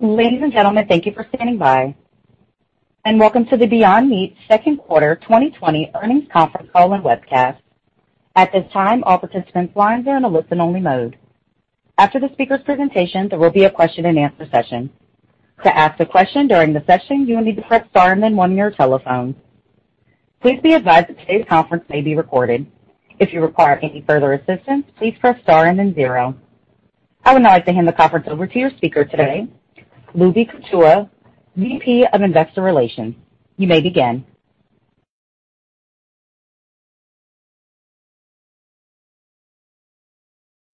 Ladies and gentlemen, thank you for standing by, and welcome to the Beyond Meat second quarter 2020 earnings conference call and webcast. At this time, all participants' lines are in a listen-only mode. After the speaker's presentation, there will be a question-and-answer session. To ask a question during the session, you will need to press star and then one on your telephone. Please be advised that today's conference may be recorded. If you require any further assistance, please press star and then zero. I would now like to hand the conference over to your speaker today, Lubi Kutua, VP of Investor Relations. You may begin.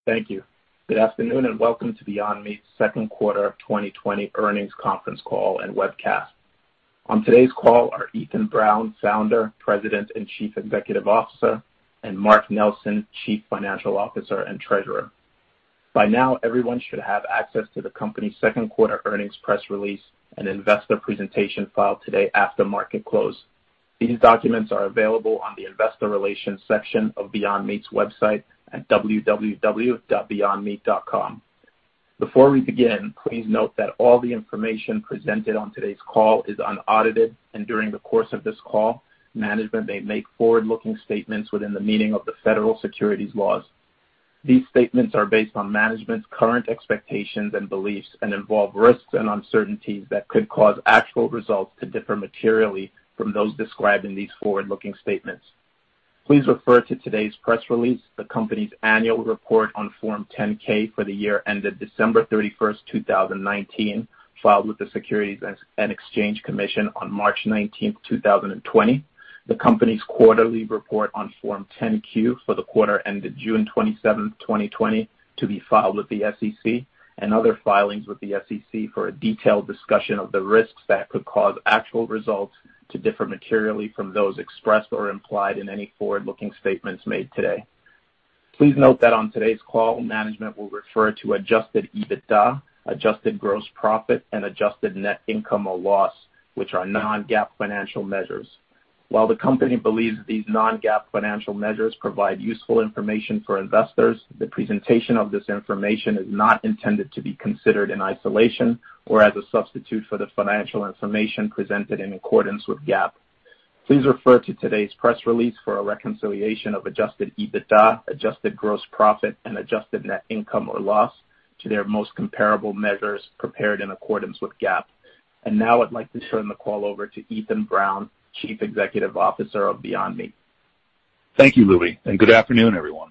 Thank you. Good afternoon, and welcome to Beyond Meat's second quarter 2020 earnings conference call and webcast. On today's call are Ethan Brown, founder, President, and Chief Executive Officer, and Mark Nelson, Chief Financial Officer and Treasurer. By now, everyone should have access to the company's second quarter earnings press release and investor presentation filed today after market close. These documents are available on the investor relations section of Beyond Meat's website at www.beyondmeat.com. Before we begin, please note that all the information presented on today's call is unaudited. During the course of this call, management may make forward-looking statements within the meaning of the federal securities laws. These statements are based on management's current expectations and beliefs and involve risks and uncertainties that could cause actual results to differ materially from those described in these forward-looking statements. Please refer to today's press release, the company's annual report on Form 10-K for the year ended December 31st, 2019, filed with the Securities and Exchange Commission on March 19th, 2020, the company's quarterly report on Form 10-Q for the quarter ended June 27th, 2020, to be filed with the SEC, and other filings with the SEC for a detailed discussion of the risks that could cause actual results to differ materially from those expressed or implied in any forward-looking statements made today. Please note that on today's call, management will refer to adjusted EBITDA, adjusted gross profit, and adjusted net income or loss, which are non-GAAP financial measures. While the company believes these non-GAAP financial measures provide useful information for investors, the presentation of this information is not intended to be considered in isolation or as a substitute for the financial information presented in accordance with GAAP. Please refer to today's press release for a reconciliation of adjusted EBITDA, adjusted gross profit, and adjusted net income or loss to their most comparable measures prepared in accordance with GAAP. Now I'd like to turn the call over to Ethan Brown, Chief Executive Officer of Beyond Meat. Thank you, Lubi, and good afternoon, everyone.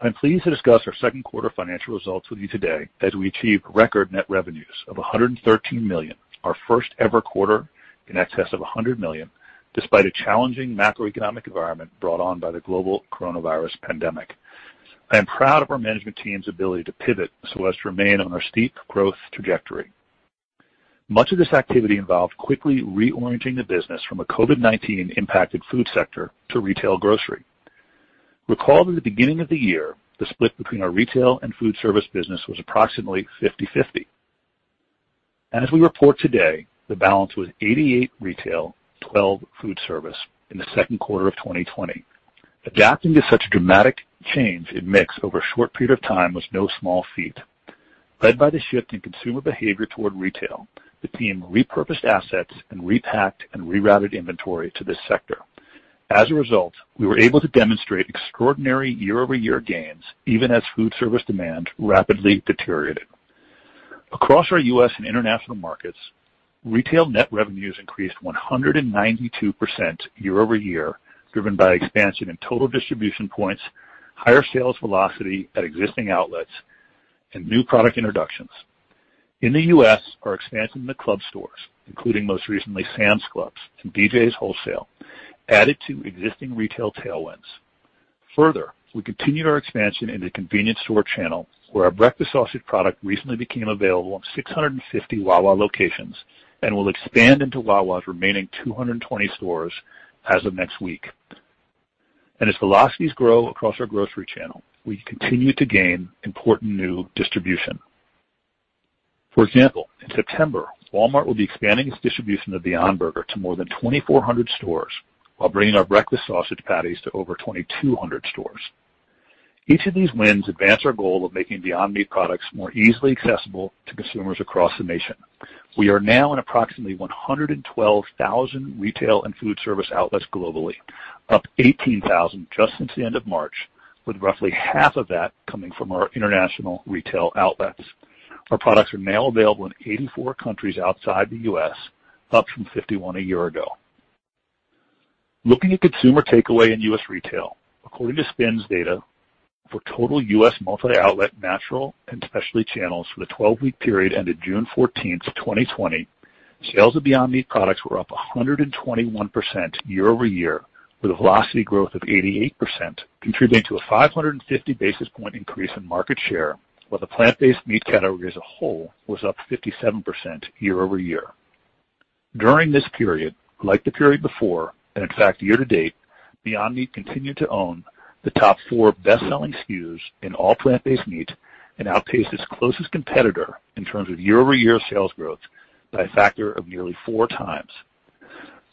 I'm pleased to discuss our second quarter financial results with you today, as we achieved record net revenues of $113 million, our first-ever quarter in excess of $100 million, despite a challenging macroeconomic environment brought on by the global COVID-19 pandemic. I am proud of our management team's ability to pivot so as to remain on our steep growth trajectory. Much of this activity involved quickly reorienting the business from a COVID-19 impacted food sector to retail grocery. Recall that at the beginning of the year, the split between our retail and food service business was approximately 50/50. As we report today, the balance was 88 retail, 12 food service in the second quarter of 2020. Adapting to such a dramatic change in mix over a short period of time was no small feat. Led by the shift in consumer behavior toward retail, the team repurposed assets and repacked and rerouted inventory to this sector. As a result, we were able to demonstrate extraordinary year-over-year gains, even as food service demand rapidly deteriorated. Across our U.S. and international markets, retail net revenues increased 192% year-over-year, driven by expansion in total distribution points, higher sales velocity at existing outlets, and new product introductions. In the U.S., our expansion in the club stores, including most recently Sam's Club and BJ's Wholesale, added to existing retail tailwinds. We continued our expansion in the convenience store channel, where our breakfast sausage product recently became available in 650 Wawa locations and will expand into Wawa's remaining 220 stores as of next week. As velocities grow across our grocery channel, we continue to gain important new distribution. For example, in September, Walmart will be expanding its distribution of Beyond Burger to more than 2,400 stores while bringing our breakfast sausage patties to over 2,200 stores. Each of these wins advance our goal of making Beyond Meat products more easily accessible to consumers across the nation. We are now in approximately 112,000 retail and food service outlets globally, up 18,000 just since the end of March, with roughly half of that coming from our international retail outlets. Our products are now available in 84 countries outside the U.S., up from 51 a year ago. Looking at consumer takeaway in U.S. retail, according to SPINS data, for total U.S. multi-outlet natural and specialty channels for the 12-week period ended June 14th, 2020, sales of Beyond Meat products were up 121% year-over-year, with a velocity growth of 88%, contributing to a 550 basis point increase in market share, while the plant-based meat category as a whole was up 57% year-over-year. During this period, like the period before, and in fact year to date, Beyond Meat continued to own the top four best-selling SKUs in all plant-based meat and outpaced its closest competitor in terms of year-over-year sales growth by a factor of nearly four times.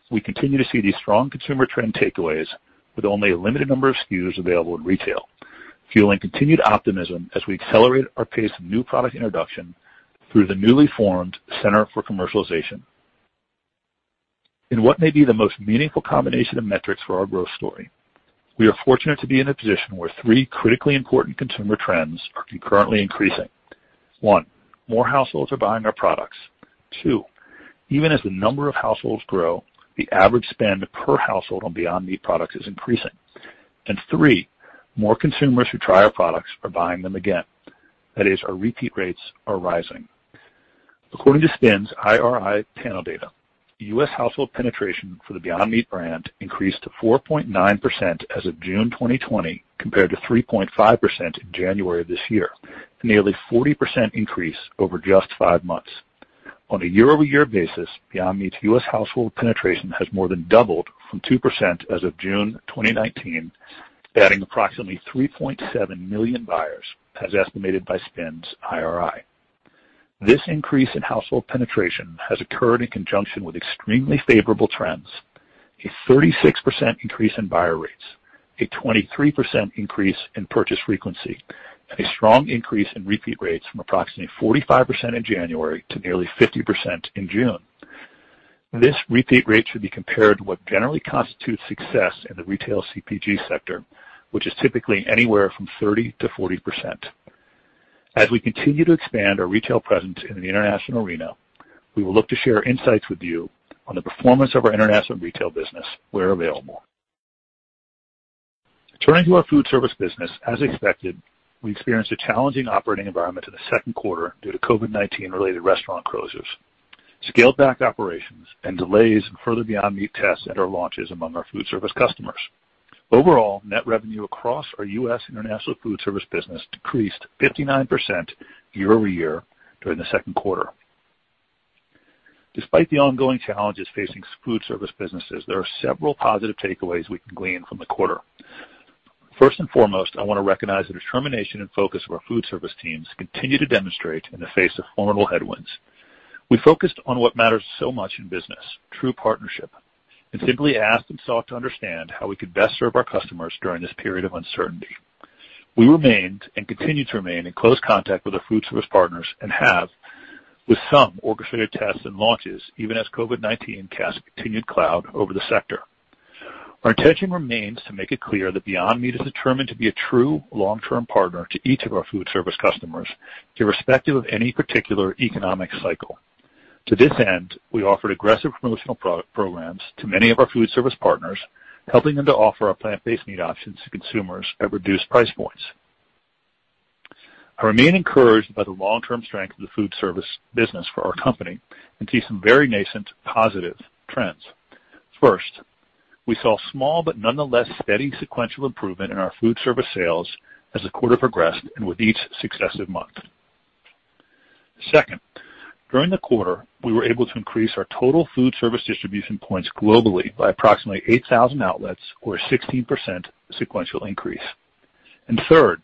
We continue to see these strong consumer trend takeaways with only a limited number of SKUs available in retail, fueling continued optimism as we accelerate our pace of new product introduction through the newly formed Center for Commercialization. In what may be the most meaningful combination of metrics for our growth story, we are fortunate to be in a position where three critically important consumer trends are concurrently increasing. One, more households are buying our products. Two, even as the number of households grow, the average spend per household on Beyond Meat products is increasing. Three, more consumers who try our products are buying them again. That is, our repeat rates are rising. According to SPINS IRI panel data, U.S. household penetration for the Beyond Meat brand increased to 4.9% as of June 2020 compared to 3.5% in January of this year, a nearly 40% increase over just five months. On a year-over-year basis, Beyond Meat's U.S. household penetration has more than doubled from 2% as of June 2019, adding approximately 3.7 million buyers, as estimated by SPINS IRI. This increase in household penetration has occurred in conjunction with extremely favorable trends, a 36% increase in buyer rates, a 23% increase in purchase frequency, and a strong increase in repeat rates from approximately 45% in January to nearly 50% in June. This repeat rate should be compared what generally constitutes success in the retail CPG sector, which is typically anywhere from 30%-40%. As we continue to expand our retail presence in the international arena, we will look to share insights with you on the performance of our international retail business where available. Turning to our food service business, as expected, we experienced a challenging operating environment in the second quarter due to COVID-19 related restaurant closures, scaled back operations, and delays in further Beyond Meat tests and launches among our food service customers. Overall, net revenue across our U.S. and international food service business decreased 59% year-over-year during the second quarter. Despite the ongoing challenges facing food service businesses, there are several positive takeaways we can glean from the quarter. First and foremost, I want to recognize the determination and focus of our food service teams continue to demonstrate in the face of formidable headwinds. We focused on what matters so much in business, true partnership, and simply asked and sought to understand how we could best serve our customers during this period of uncertainty. We remained, and continue to remain, in close contact with our food service partners and have with some orchestrated tests and launches, even as COVID-19 casts continued cloud over the sector. Our intention remains to make it clear that Beyond Meat is determined to be a true long-term partner to each of our food service customers, irrespective of any particular economic cycle. To this end, we offered aggressive promotional programs to many of our food service partners, helping them to offer our plant-based meat options to consumers at reduced price points. I remain encouraged by the long-term strength of the food service business for our company and see some very nascent positive trends. First, we saw small but nonetheless steady sequential improvement in our food service sales as the quarter progressed and with each successive month. Second, during the quarter, we were able to increase our total food service distribution points globally by approximately 8,000 outlets or a 16% sequential increase. Third,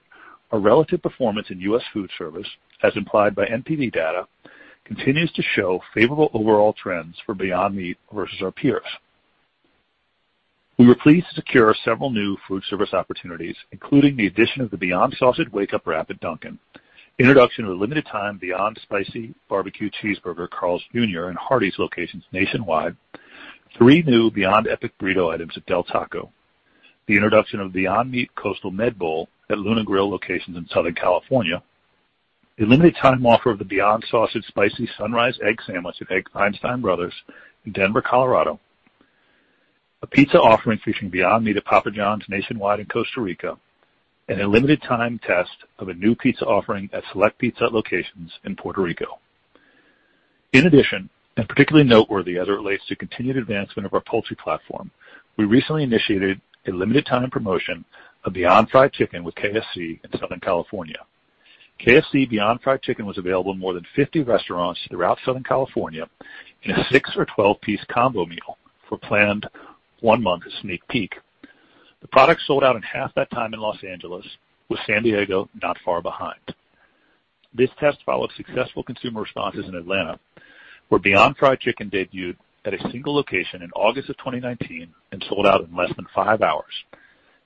our relative performance in U.S. food service, as implied by NPD data, continues to show favorable overall trends for Beyond Meat versus our peers. We were pleased to secure several new food service opportunities, including the addition of the Beyond Sausage Wake Up Wrap at Dunkin', introduction of the limited-time Beyond Spicy Barbecue Cheeseburger at Carl's Jr. and Hardee's locations nationwide, three new Beyond Epic Burrito items at Del Taco, the introduction of Beyond Meat Coastal Med Bowl at Luna Grill locations in Southern California, a limited time offer of the Beyond Sausage Spicy Sunrise Egg Sandwich at Einstein Bros. Bagels in Denver, Colorado, a pizza offering featuring Beyond Meat at Papa John's nationwide in Costa Rica, and a limited time test of a new pizza offering at select pizza locations in Puerto Rico. In addition, and particularly noteworthy as it relates to continued advancement of our poultry platform, we recently initiated a limited time promotion of Beyond Fried Chicken with KFC in Southern California. KFC Beyond Fried Chicken was available in more than 50 restaurants throughout Southern California in a six or 12-piece combo meal for a planned one-month sneak peek. The product sold out in half that time in Los Angeles, with San Diego not far behind. This test followed successful consumer responses in Atlanta, where Beyond Fried Chicken debuted at a single location in August of 2019 and sold out in less than five hours,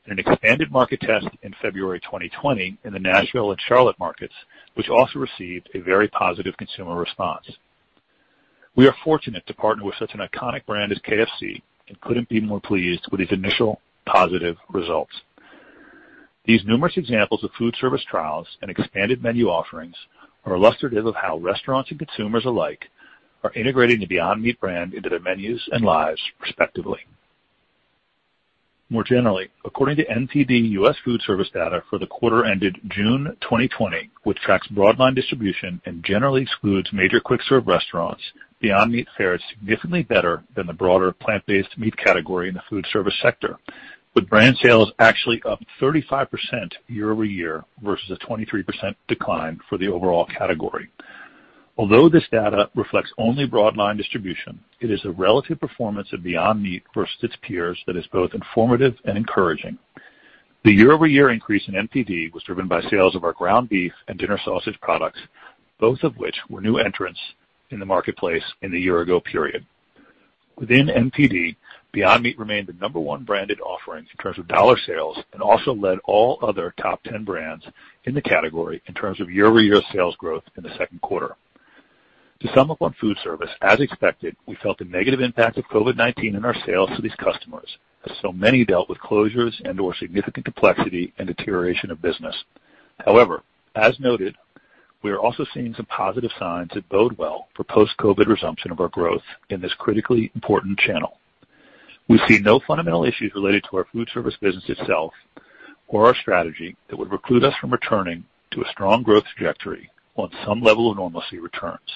and an expanded market test in February 2020 in the Nashville and Charlotte markets, which also received a very positive consumer response. We are fortunate to partner with such an iconic brand as KFC and couldn't be more pleased with these initial positive results. These numerous examples of food service trials and expanded menu offerings are illustrative of how restaurants and consumers alike are integrating the Beyond Meat brand into their menus and lives respectively. More generally, according to NPD U.S. foodservice data for the quarter ended June 2020, which tracks broadline distribution and generally excludes major quick-serve restaurants, Beyond Meat fared significantly better than the broader plant-based meat category in the foodservice sector, with brand sales actually up 35% year-over-year versus a 23% decline for the overall category. Although this data reflects only broadline distribution, it is the relative performance of Beyond Meat versus its peers that is both informative and encouraging. The year-over-year increase in NPD was driven by sales of our ground beef and dinner sausage products, both of which were new entrants in the marketplace in the year-ago period. Within NPD, Beyond Meat remained the number one branded offering in terms of dollar sales and also led all other top 10 brands in the category in terms of year-over-year sales growth in the second quarter. To sum up on food service, as expected, we felt a negative impact of COVID-19 in our sales to these customers, as so many dealt with closures and/or significant complexity and deterioration of business. As noted, we are also seeing some positive signs that bode well for post-COVID resumption of our growth in this critically important channel. We see no fundamental issues related to our food service business itself or our strategy that would preclude us from returning to a strong growth trajectory once some level of normalcy returns.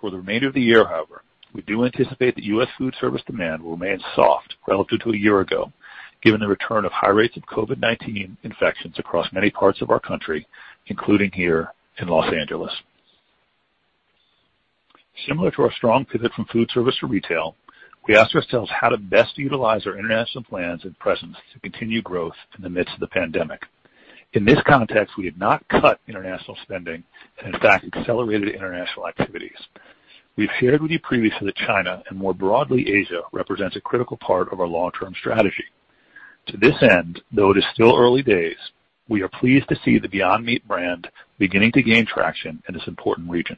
For the remainder of the year, however, we do anticipate that U.S. food service demand will remain soft relative to a year ago, given the return of high rates of COVID-19 infections across many parts of our country, including here in L.A. Similar to our strong pivot from food service to retail, we asked ourselves how to best utilize our international plans and presence to continue growth in the midst of the pandemic. In this context, we have not cut international spending and in fact, accelerated international activities. We've shared with you previously that China, and more broadly Asia, represents a critical part of our long-term strategy. To this end, though it is still early days, we are pleased to see the Beyond Meat brand beginning to gain traction in this important region.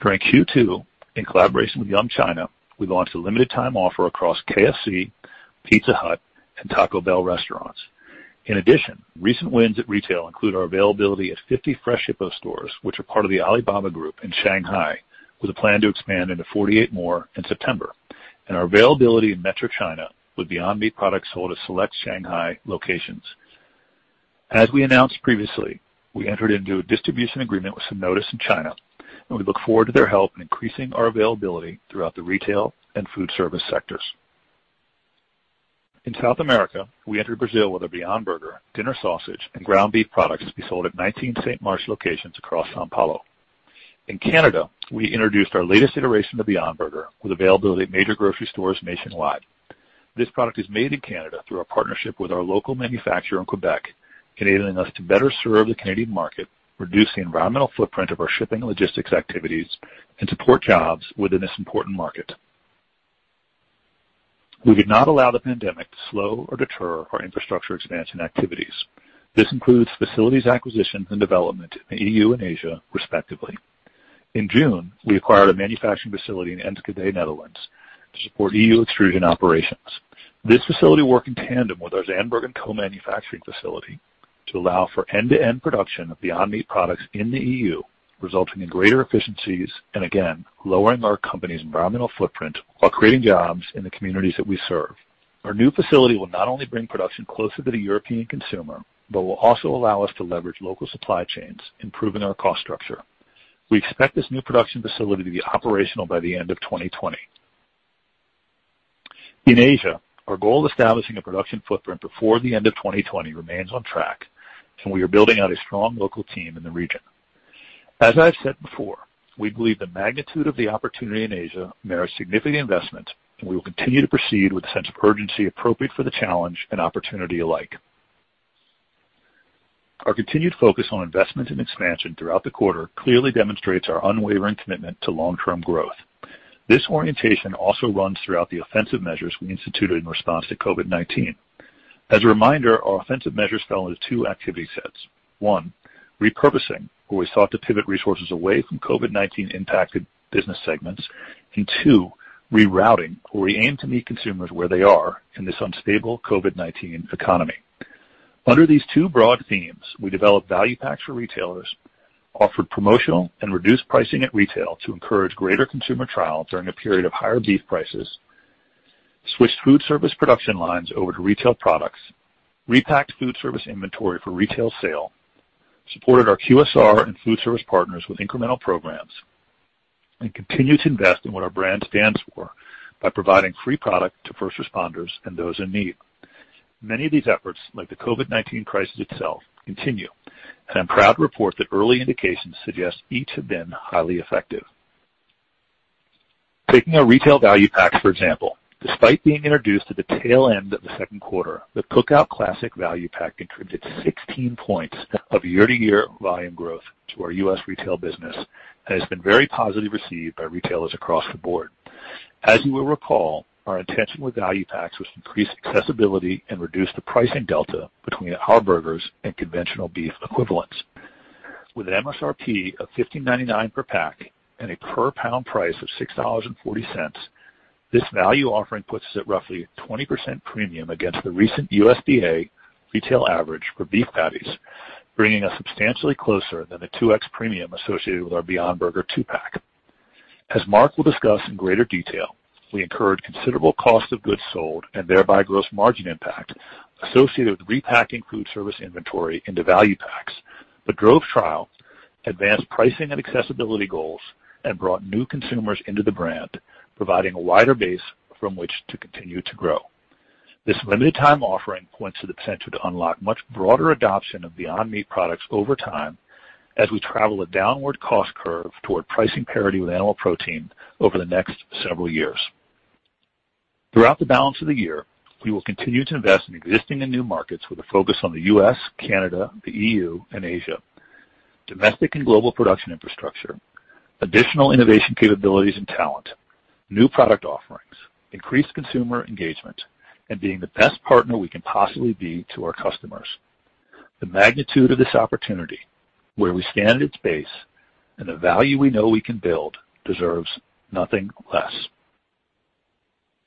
During Q2, in collaboration with Yum China, we launched a limited time offer across KFC, Pizza Hut and Taco Bell restaurants. Recent wins at retail include our availability at 50 Freshippo stores, which are part of the Alibaba Group in Shanghai, with a plan to expand into 48 more in September. Our availability in Metro China, with Beyond Meat products sold at select Shanghai locations. As we announced previously, we entered into a distribution agreement with Sinodis in China, and we look forward to their help in increasing our availability throughout the retail and food service sectors. In South America, we entered Brazil with our Beyond Burger, Beyond Sausage, and ground beef products to be sold at 19 St. Marche locations across São Paulo. In Canada, we introduced our latest iteration of Beyond Burger with availability at major grocery stores nationwide. This product is made in Canada through our partnership with our local manufacturer in Quebec, enabling us to better serve the Canadian market, reduce the environmental footprint of our shipping and logistics activities, and support jobs within this important market. We did not allow the pandemic to slow or deter our infrastructure expansion activities. This includes facilities acquisition and development in the EU and Asia, respectively. In June, we acquired a manufacturing facility in Enschede, Netherlands, to support EU extrusion operations. This facility will work in tandem with our Zandbergen co-manufacturing facility to allow for end-to-end production of Beyond Meat products in the EU, resulting in greater efficiencies and again, lowering our company's environmental footprint while creating jobs in the communities that we serve. Our new facility will not only bring production closer to the European consumer, but will also allow us to leverage local supply chains, improving our cost structure. We expect this new production facility to be operational by the end of 2020. In Asia, our goal of establishing a production footprint before the end of 2020 remains on track, and we are building out a strong local team in the region. As I've said before, we believe the magnitude of the opportunity in Asia merits significant investment. We will continue to proceed with a sense of urgency appropriate for the challenge and opportunity alike. Our continued focus on investment and expansion throughout the quarter clearly demonstrates our unwavering commitment to long-term growth. This orientation also runs throughout the offensive measures we instituted in response to COVID-19. As a reminder, our offensive measures fell into two activity sets. One, repurposing, where we sought to pivot resources away from COVID-19-impacted business segments. Two, rerouting, where we aim to meet consumers where they are in this unstable COVID-19 economy. Under these two broad themes, we developed value packs for retailers, offered promotional and reduced pricing at retail to encourage greater consumer trial during a period of higher beef prices, switched food service production lines over to retail products, repacked food service inventory for retail sale, supported our QSR and food service partners with incremental programs, and continued to invest in what our brand stands for by providing free product to first responders and those in need. Many of these efforts, like the COVID-19 crisis itself, continue. I'm proud to report that early indications suggest each have been highly effective. Taking our retail value packs, for example, despite being introduced at the tail end of the second quarter, the Cookout Classic value pack contributes 16 points of year-to-year volume growth to our U.S. retail business and has been very positively received by retailers across the board. As you will recall, our intention with value packs was to increase accessibility and reduce the pricing delta between our burgers and conventional beef equivalents. With an MSRP of $15.99 per pack and a per pound price of $6.40, this value offering puts us at roughly a 20% premium against the recent USDA retail average for beef patties, bringing us substantially closer than the 2x premium associated with our Beyond Burger 2-pack. As Mark will discuss in greater detail, we incurred considerable cost of goods sold and thereby gross margin impact associated with repacking foodservice inventory into value packs, drove trial, advanced pricing and accessibility goals, and brought new consumers into the brand, providing a wider base from which to continue to grow. This limited-time offering points to the potential to unlock much broader adoption of Beyond Meat products over time as we travel a downward cost curve toward pricing parity with animal protein over the next several years. Throughout the balance of the year, we will continue to invest in existing and new markets with a focus on the U.S., Canada, the EU, and Asia, domestic and global production infrastructure, additional innovation capabilities and talent, new product offerings, increased consumer engagement, and being the best partner we can possibly be to our customers. The magnitude of this opportunity, where we stand at its base, and the value we know we can build deserves nothing less.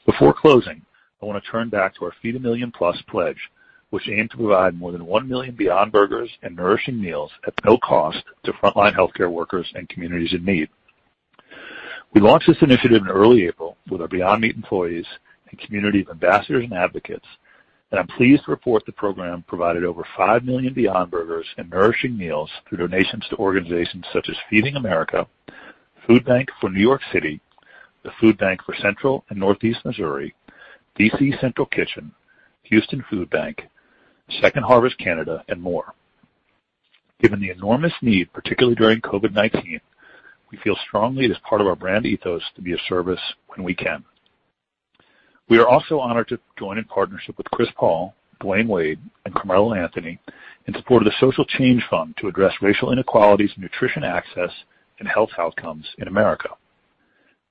Before closing, I want to turn back to our Feed a Million+ pledge, which aimed to provide more than 1 million Beyond Burgers and nourishing meals at no cost to frontline healthcare workers and communities in need. We launched this initiative in early April with our Beyond Meat employees and community of ambassadors and advocates. I'm pleased to report the program provided over 5 million Beyond Burgers and nourishing meals through donations to organizations such as Feeding America, Food Bank For New York City, The Food Bank for Central & Northeast Missouri, DC Central Kitchen, Houston Food Bank, Second Harvest Canada, and more. Given the enormous need, particularly during COVID-19, we feel strongly it is part of our brand ethos to be of service when we can. We are also honored to join in partnership with Chris Paul, Dwyane Wade, and Carmelo Anthony in support of the Social Change Fund to address racial inequalities in nutrition access and health outcomes in America.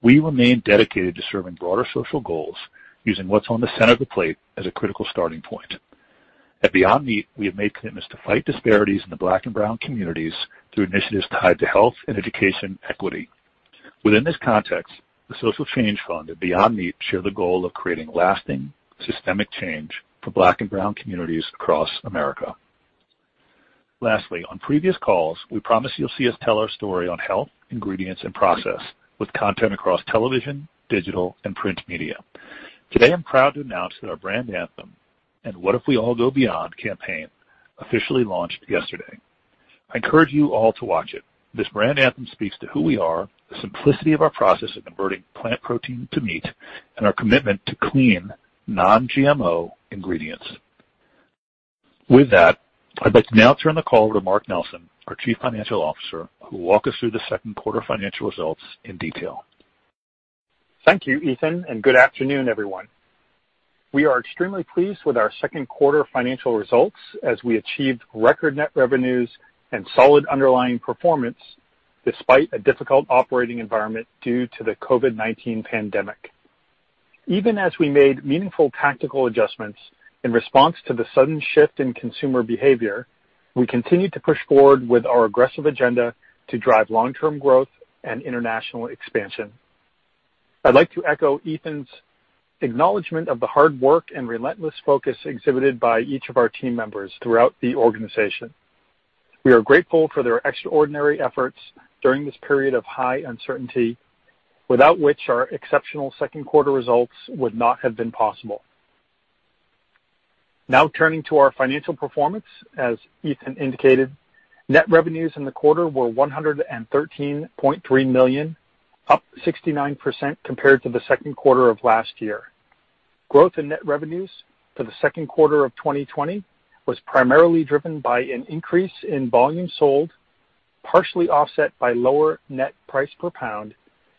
We remain dedicated to serving broader social goals, using what's on the center of the plate as a critical starting point. At Beyond Meat, we have made commitments to fight disparities in the Black and Brown communities through initiatives tied to health and education equity. Within this context, the Social Change Fund and Beyond Meat share the goal of creating lasting, systemic change for Black and Brown communities across America. Lastly, on previous calls, we promised you'll see us tell our story on health, ingredients, and process with content across television, digital, and print media. Today, I'm proud to announce that our brand anthem and What If We All Go Beyond campaign officially launched yesterday. I encourage you all to watch it. This brand anthem speaks to who we are, the simplicity of our process of converting plant protein to meat, and our commitment to clean, non-GMO ingredients. With that, I'd like to now turn the call to Mark Nelson, our Chief Financial Officer, who will walk us through the second quarter financial results in detail. Thank you, Ethan, and good afternoon, everyone. We are extremely pleased with our second quarter financial results as we achieved record net revenues and solid underlying performance despite a difficult operating environment due to the COVID-19 pandemic. Even as we made meaningful tactical adjustments in response to the sudden shift in consumer behavior, we continued to push forward with our aggressive agenda to drive long-term growth and international expansion. I'd like to echo Ethan's acknowledgment of the hard work and relentless focus exhibited by each of our team members throughout the organization. We are grateful for their extraordinary efforts during this period of high uncertainty, without which our exceptional second quarter results would not have been possible. Now turning to our financial performance, as Ethan indicated, net revenues in the quarter were $113.3 million, up 69% compared to the second quarter of last year. Growth in net revenues for the second quarter of 2020 was primarily driven by an increase in volume sold, partially offset by lower net price per pound,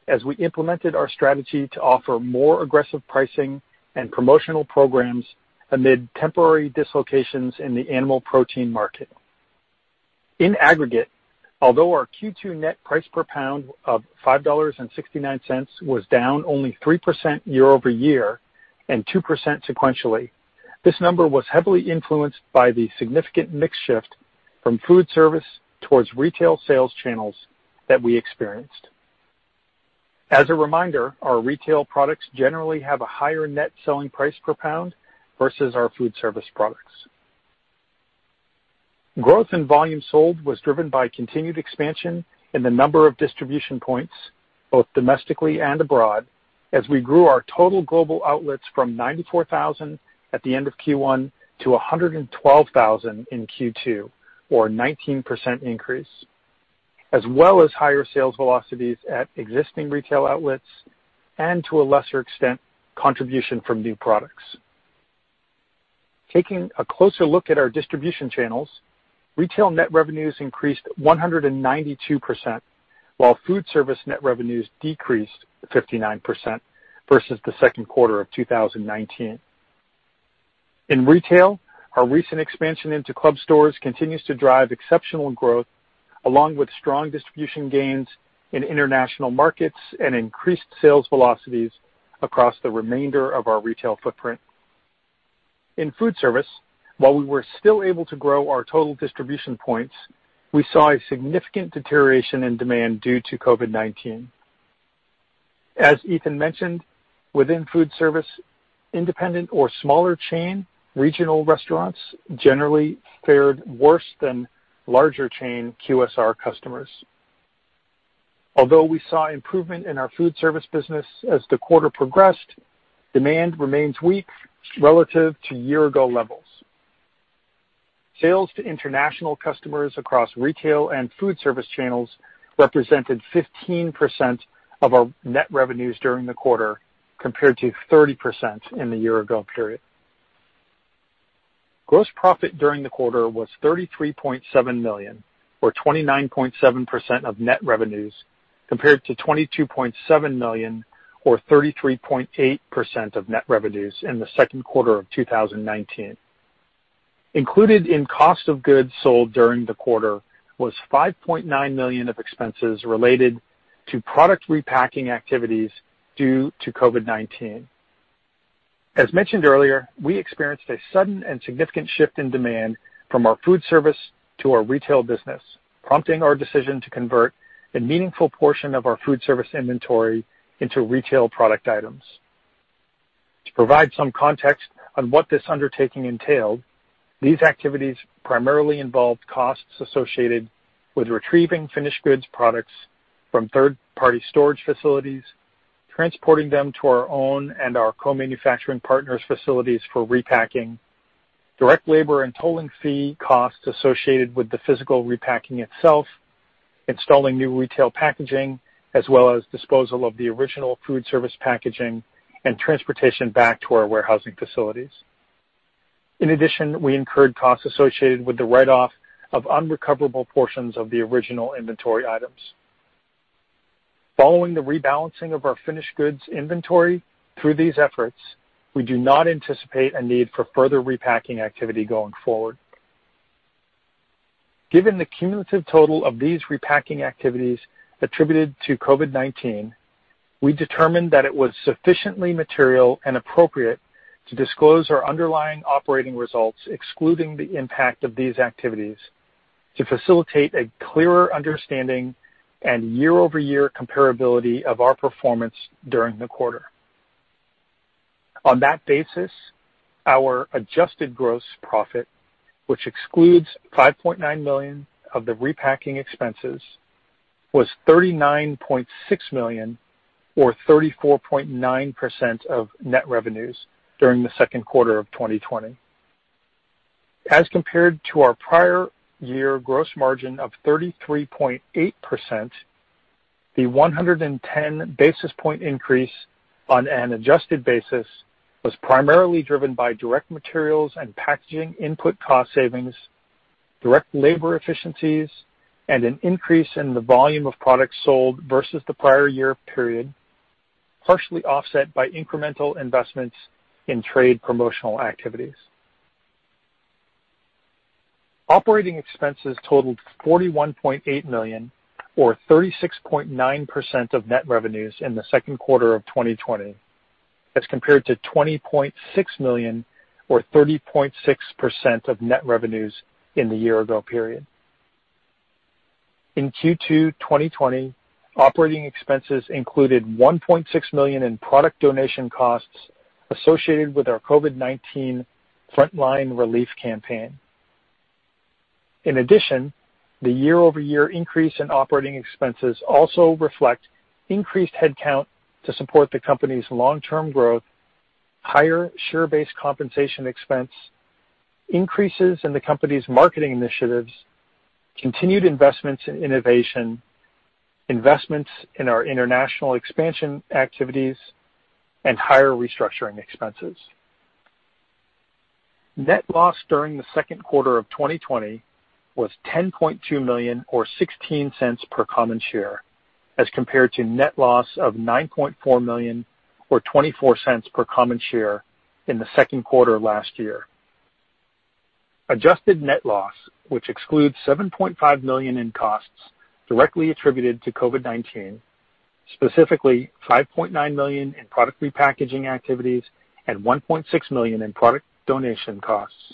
as we implemented our strategy to offer more aggressive pricing and promotional programs amid temporary dislocations in the animal protein market. In aggregate, although our Q2 net price per pound of $5.69 was down only 3% year-over-year and 2% sequentially, this number was heavily influenced by the significant mix shift from food service towards retail sales channels that we experienced. As a reminder, our retail products generally have a higher net selling price per pound versus our food service products. Growth in volume sold was driven by continued expansion in the number of distribution points, both domestically and abroad, as we grew our total global outlets from 94,000 at the end of Q1 to 112,000 in Q2, or a 19% increase, as well as higher sales velocities at existing retail outlets and, to a lesser extent, contribution from new products. Taking a closer look at our distribution channels, retail net revenues increased 192%, while food service net revenues decreased 59% versus the second quarter of 2019. In retail, our recent expansion into club stores continues to drive exceptional growth along with strong distribution gains in international markets and increased sales velocities across the remainder of our retail footprint. In food service, while we were still able to grow our total distribution points, we saw a significant deterioration in demand due to COVID-19. As Ethan mentioned, within food service, independent or smaller chain regional restaurants generally fared worse than larger chain QSR customers. We saw improvement in our food service business as the quarter progressed, demand remains weak relative to year-ago levels. Sales to international customers across retail and food service channels represented 15% of our net revenues during the quarter, compared to 30% in the year-ago period. Gross profit during the quarter was $33.7 million, or 29.7% of net revenues, compared to $22.7 million, or 33.8% of net revenues in the second quarter of 2019. Included in cost of goods sold during the quarter was $5.9 million of expenses related to product repacking activities due to COVID-19. As mentioned earlier, we experienced a sudden and significant shift in demand from our food service to our retail business, prompting our decision to convert a meaningful portion of our food service inventory into retail product items. To provide some context on what this undertaking entailed, these activities primarily involved costs associated with retrieving finished goods products from third-party storage facilities, transporting them to our own and our co-manufacturing partners' facilities for repacking, direct labor and tolling fee costs associated with the physical repacking itself, installing new retail packaging, as well as disposal of the original food service packaging and transportation back to our warehousing facilities. In addition, we incurred costs associated with the write-off of unrecoverable portions of the original inventory items. Following the rebalancing of our finished goods inventory through these efforts, we do not anticipate a need for further repacking activity going forward. Given the cumulative total of these repacking activities attributed to COVID-19, we determined that it was sufficiently material and appropriate to disclose our underlying operating results, excluding the impact of these activities to facilitate a clearer understanding and year-over-year comparability of our performance during the quarter. On that basis, our adjusted gross profit, which excludes $5.9 million of the repacking expenses, was $39.6 million, or 34.9% of net revenues during the second quarter of 2020. As compared to our prior year gross margin of 33.8%, the 110 basis point increase on an adjusted basis was primarily driven by direct materials and packaging input cost savings, direct labor efficiencies, and an increase in the volume of products sold versus the prior year period, partially offset by incremental investments in trade promotional activities. Operating expenses totaled $41.8 million or 36.9% of net revenues in the second quarter of 2020 as compared to $20.6 million or 30.6% of net revenues in the year ago period. In Q2 2020, operating expenses included $1.6 million in product donation costs associated with our COVID-19 Frontline Relief campaign. The year-over-year increase in operating expenses also reflect increased headcount to support the company's long-term growth, higher share-based compensation expense, increases in the company's marketing initiatives, continued investments in innovation, investments in our international expansion activities, and higher restructuring expenses. Net loss during the second quarter of 2020 was $10.2 million or $0.16 per common share as compared to net loss of $9.4 million or $0.24 per common share in the second quarter last year. Adjusted net loss, which excludes $7.5 million in costs directly attributed to COVID-19, specifically $5.9 million in product repackaging activities and $1.6 million in product donation costs,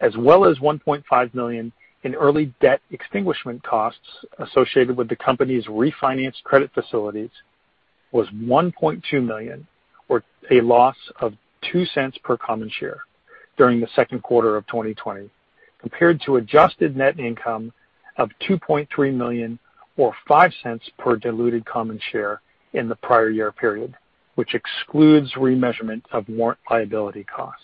as well as $1.5 million in early debt extinguishment costs associated with the company's refinanced credit facilities, was $1.2 million, or a loss of $0.02 per common share during the second quarter of 2020 compared to adjusted net income of $2.3 million or $0.05 per diluted common share in the prior year period, which excludes remeasurement of warrant liability costs.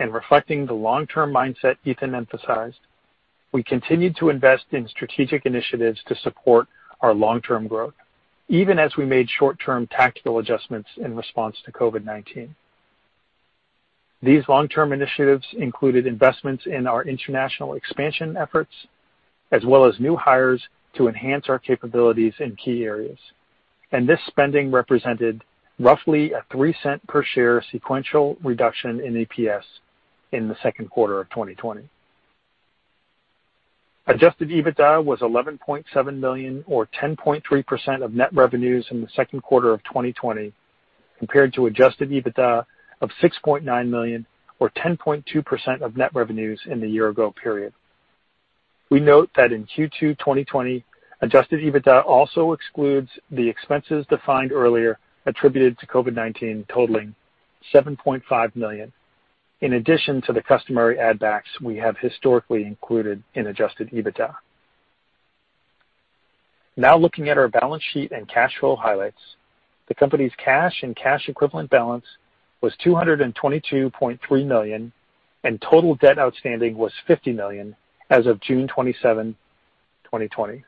Reflecting the long-term mindset Ethan emphasized, we continued to invest in strategic initiatives to support our long-term growth, even as we made short-term tactical adjustments in response to COVID-19. These long-term initiatives included investments in our international expansion efforts, as well as new hires to enhance our capabilities in key areas. This spending represented roughly a $0.03 per share sequential reduction in EPS in the second quarter of 2020. Adjusted EBITDA was $11.7 million or 10.3% of net revenues in the second quarter of 2020 compared to adjusted EBITDA of $6.9 million or 10.2% of net revenues in the year-ago period. We note that in Q2 2020, adjusted EBITDA also excludes the expenses defined earlier attributed to COVID-19 totaling $7.5 million, in addition to the customary add backs we have historically included in adjusted EBITDA. Looking at our balance sheet and cash flow highlights, the company's cash and cash equivalent balance was $222.3 million, and total debt outstanding was $50 million as of June 27, 2020.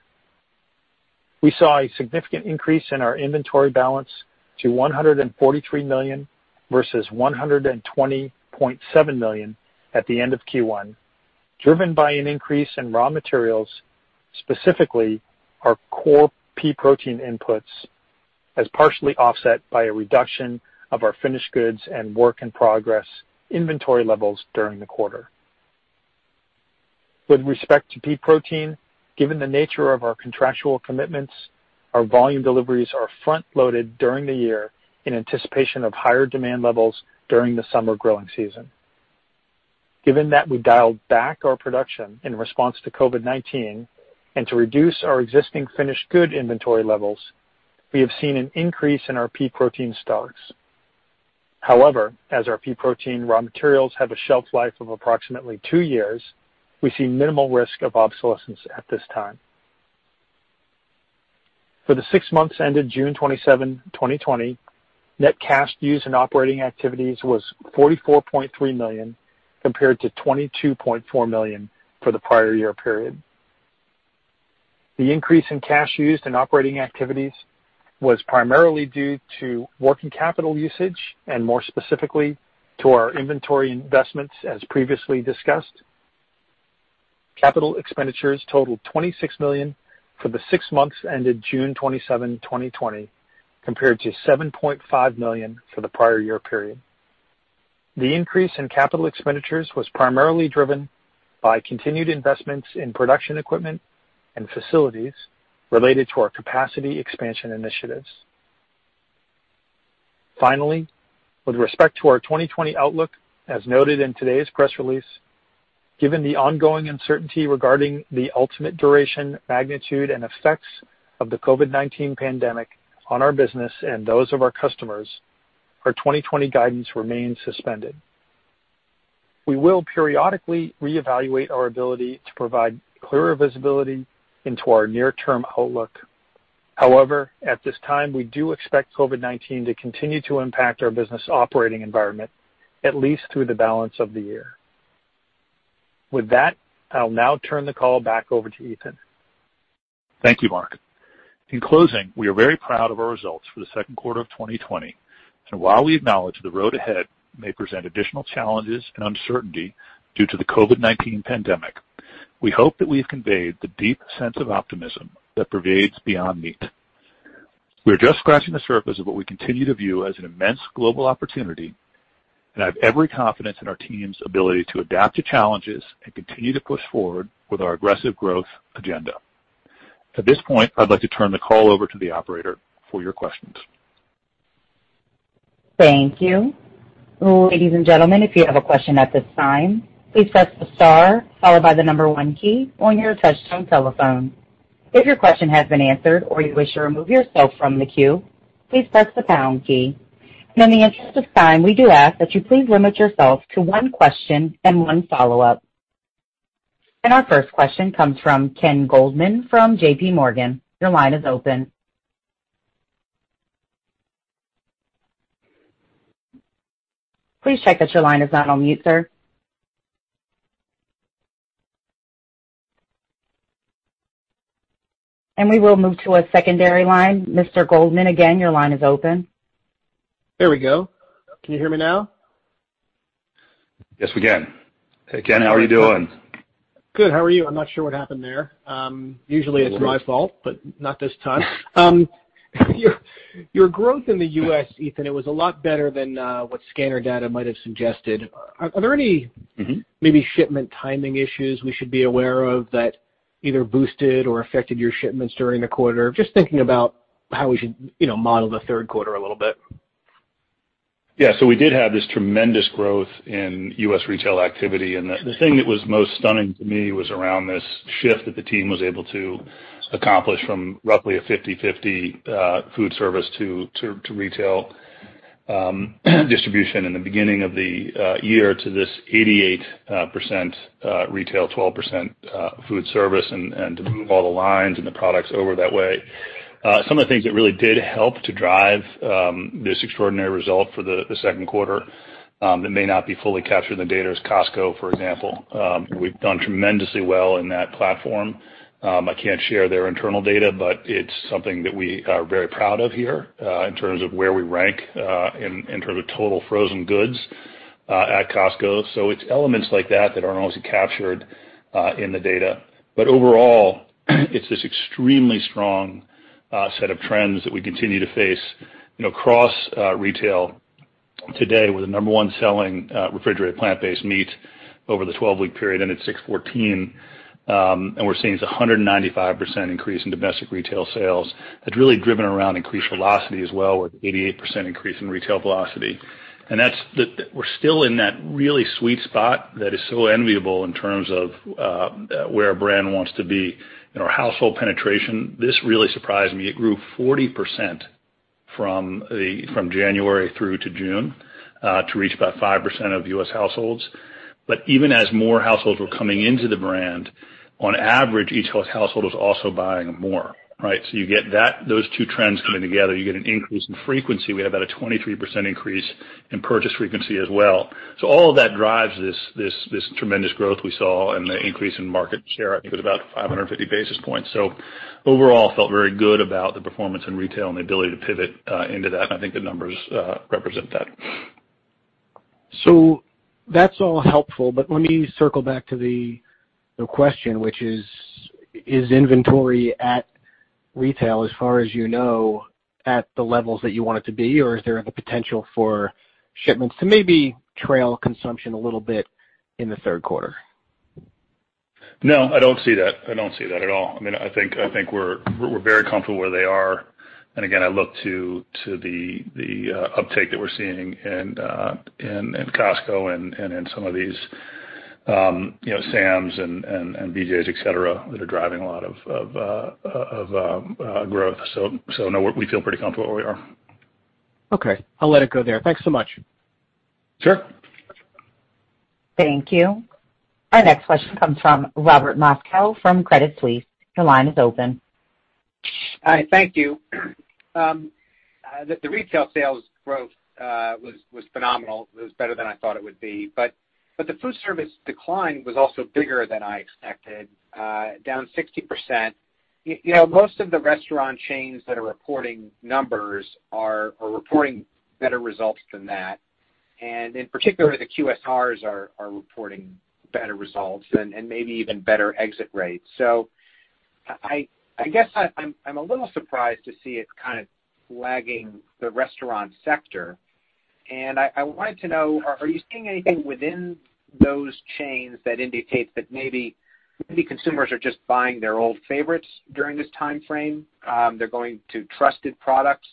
We saw a significant increase in our inventory balance to $143 million versus $120.7 million at the end of Q1, driven by an increase in raw materials, specifically our core pea protein inputs, as partially offset by a reduction of our finished goods and work in progress inventory levels during the quarter. With respect to pea protein, given the nature of our contractual commitments, our volume deliveries are front-loaded during the year in anticipation of higher demand levels during the summer growing season. Given that we dialed back our production in response to COVID-19 and to reduce our existing finished goods inventory levels, we have seen an increase in our pea protein stocks. However, as our pea protein raw materials have a shelf life of approximately two years, we see minimal risk of obsolescence at this time. For the six months ended June 27, 2020, net cash used in operating activities was $44.3 million, compared to $22.4 million for the prior year period. The increase in cash used in operating activities was primarily due to working capital usage and more specifically to our inventory investments, as previously discussed. Capital expenditures totaled $26 million for the six months ended June 27, 2020, compared to $7.5 million for the prior year period. The increase in capital expenditures was primarily driven by continued investments in production equipment and facilities related to our capacity expansion initiatives. Finally, with respect to our 2020 outlook, as noted in today's press release, given the ongoing uncertainty regarding the ultimate duration, magnitude, and effects of the COVID-19 pandemic on our business and those of our customers, our 2020 guidance remains suspended. We will periodically reevaluate our ability to provide clearer visibility into our near-term outlook. However, at this time, we do expect COVID-19 to continue to impact our business operating environment at least through the balance of the year. With that, I'll now turn the call back over to Ethan. Thank you, Mark. In closing, we are very proud of our results for the second quarter of 2020. While we acknowledge the road ahead may present additional challenges and uncertainty due to the COVID-19 pandemic, we hope that we've conveyed the deep sense of optimism that pervades Beyond Meat. We're just scratching the surface of what we continue to view as an immense global opportunity, and I have every confidence in our team's ability to adapt to challenges and continue to push forward with our aggressive growth agenda. At this point, I'd like to turn the call over to the operator for your questions. Thank you. Ladies and gentlemen, if you have a question at this time, please press the star followed by the number one key on your touchtone telephone. If your question has been answered or you wish to remove yourself from the queue, please press the pound key. In the interest of time, we do ask that you please limit yourself to one question and one follow-up. Our first question comes from Ken Goldman from JPMorgan. Your line is open. Please check that your line is not on mute, sir. We will move to a secondary line. Mr. Goldman, again, your line is open. There we go. Can you hear me now? Yes, we can. Hey, Ken, how are you doing? Good. How are you? I'm not sure what happened there. Usually it's my fault, but not this time. Your growth in the U.S., Ethan, it was a lot better than what scanner data might have suggested. Are there any? Maybe shipment timing issues we should be aware of that either boosted or affected your shipments during the quarter? Just thinking about how we should model the third quarter a little bit. We did have this tremendous growth in U.S. retail activity, and the thing that was most stunning to me was around this shift that the team was able to accomplish from roughly a 50/50 food service to retail distribution in the beginning of the year to this 88% retail, 12% food service, and to move all the lines and the products over that way. Some of the things that really did help to drive this extraordinary result for the second quarter that may not be fully captured in the data is Costco, for example. We've done tremendously well in that platform. I can't share their internal data, but it's something that we are very proud of here in terms of where we rank in terms of total frozen goods at Costco. It's elements like that that aren't always captured in the data. Overall, it's this extremely strong set of trends that we continue to face across retail today, with the number one selling refrigerated plant-based meat over the 12-week period ended 6/14. We're seeing this 195% increase in domestic retail sales that's really driven around increased velocity as well, with 88% increase in retail velocity. We're still in that really sweet spot that is so enviable in terms of where a brand wants to be. Household penetration, this really surprised me. It grew 40% from January through to June to reach about 5% of U.S. households. Even as more households were coming into the brand, on average, each household was also buying more, right? You get those two trends coming together, you get an increase in frequency. We had about a 23% increase in purchase frequency as well. All of that drives this tremendous growth we saw and the increase in market share, I think was about 550 basis points. Overall, felt very good about the performance in retail and the ability to pivot into that, and I think the numbers represent that. That's all helpful, but let me circle back to the question, which is inventory at retail, as far as you know, at the levels that you want it to be, or is there the potential for shipments to maybe trail consumption a little bit in the third quarter? No, I don't see that. I don't see that at all. I think we're very comfortable where they are, and again, I look to the uptake that we're seeing in Costco and in some of these Sam's and BJ's, et cetera, that are driving a lot of growth. No, we feel pretty comfortable where we are. Okay. I'll let it go there. Thanks so much. Sure. Thank you. Our next question comes from Robert Moskow from Credit Suisse. Your line is open. Hi, thank you. The retail sales growth was phenomenal. It was better than I thought it would be, but the food service decline was also bigger than I expected, down 60%. Most of the restaurant chains that are reporting numbers are reporting better results than that, and in particular, the QSRs are reporting better results and maybe even better exit rates. I guess I'm a little surprised to see it kind of lagging the restaurant sector. I wanted to know, are you seeing anything within those chains that indicates that maybe consumers are just buying their old favorites during this timeframe? They're going to trusted products.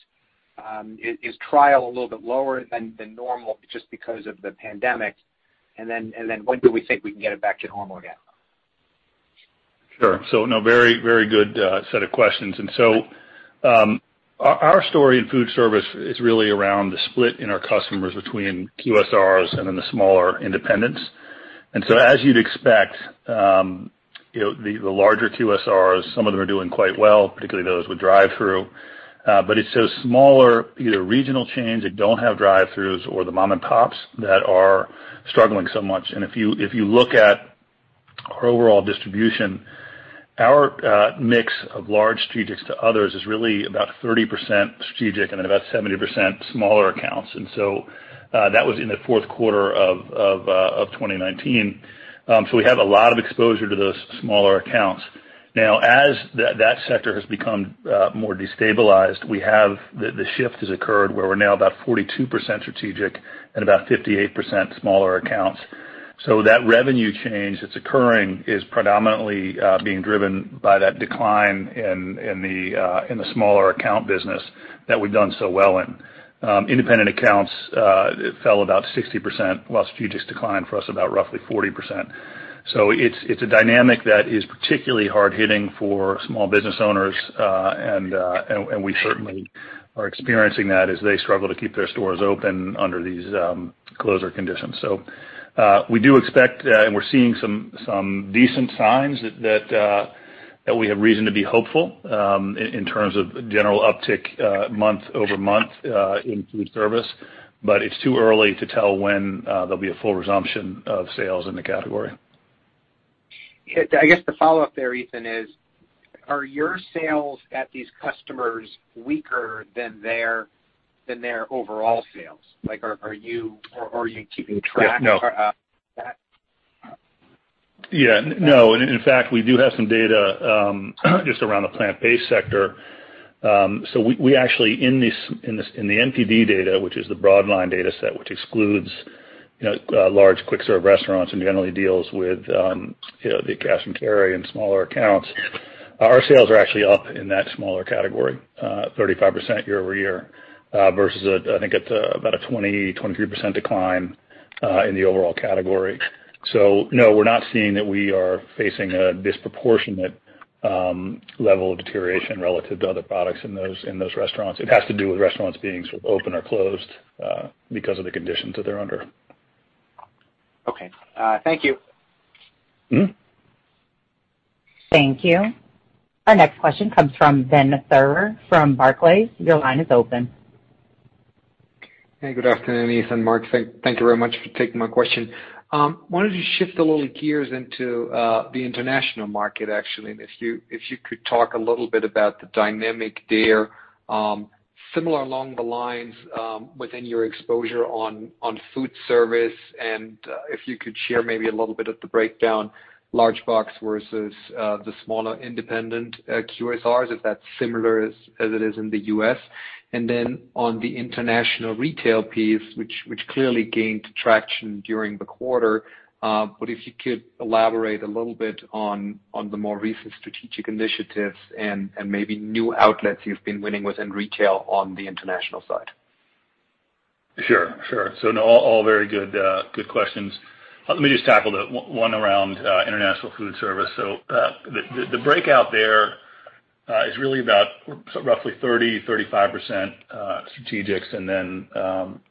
Is trial a little bit lower than normal just because of the pandemic? When do we think we can get it back to normal again? Sure, very good set of questions. Our story in food service is really around the split in our customers between QSRs and then the smaller independents. As you'd expect, the larger QSRs, some of them are doing quite well, particularly those with drive-through. It's those smaller, either regional chains that don't have drive-throughs or the mom and pops that are struggling so much. If you look at our overall distribution, our mix of large strategics to others is really about 30% strategic and then about 70% smaller accounts. That was in the fourth quarter of 2019. We have a lot of exposure to those smaller accounts. Now, as that sector has become more destabilized, the shift has occurred where we're now about 42% strategic and about 58% smaller accounts. That revenue change that's occurring is predominantly being driven by that decline in the smaller account business that we've done so well in. Independent accounts fell about 60%, while strategic declined for us about roughly 40%. It's a dynamic that is particularly hard-hitting for small business owners, and we certainly are experiencing that as they struggle to keep their stores open under these closure conditions. We do expect, and we're seeing some decent signs that we have reason to be hopeful in terms of general uptick month-over-month in food service, but it's too early to tell when there'll be a full resumption of sales in the category. I guess the follow-up there, Ethan, is, are your sales at these customers weaker than their overall sales? Are you keeping track of that? Yeah. No. In fact, we do have some data just around the plant-based sector. We actually, in the NPD data, which is the broad line data set, which excludes large quick serve restaurants and generally deals with the cash and carry and smaller accounts, our sales are actually up in that smaller category 35% year-over-year, versus I think it's about a 20%, 23% decline in the overall category. No, we're not seeing that we are facing a disproportionate level of deterioration relative to other products in those restaurants. It has to do with restaurants being open or closed because of the conditions that they're under. Okay. Thank you. Thank you. Our next question comes from Ben Theurer from Barclays. Your line is open. Hey, good afternoon, Ethan, Mark. Thank you very much for taking my question. Wanted to shift a little gears into the international market, actually. If you could talk a little bit about the dynamic there, similar along the lines within your exposure on food service, and if you could share maybe a little bit of the breakdown, large box versus the smaller independent QSRs, if that's similar as it is in the U.S. On the international retail piece, which clearly gained traction during the quarter, but if you could elaborate a little bit on the more recent strategic initiatives and maybe new outlets you've been winning within retail on the international side. Sure. All very good questions. Let me just tackle the one around international food service. The breakout there, it's really about roughly 30%-35% strategics, and then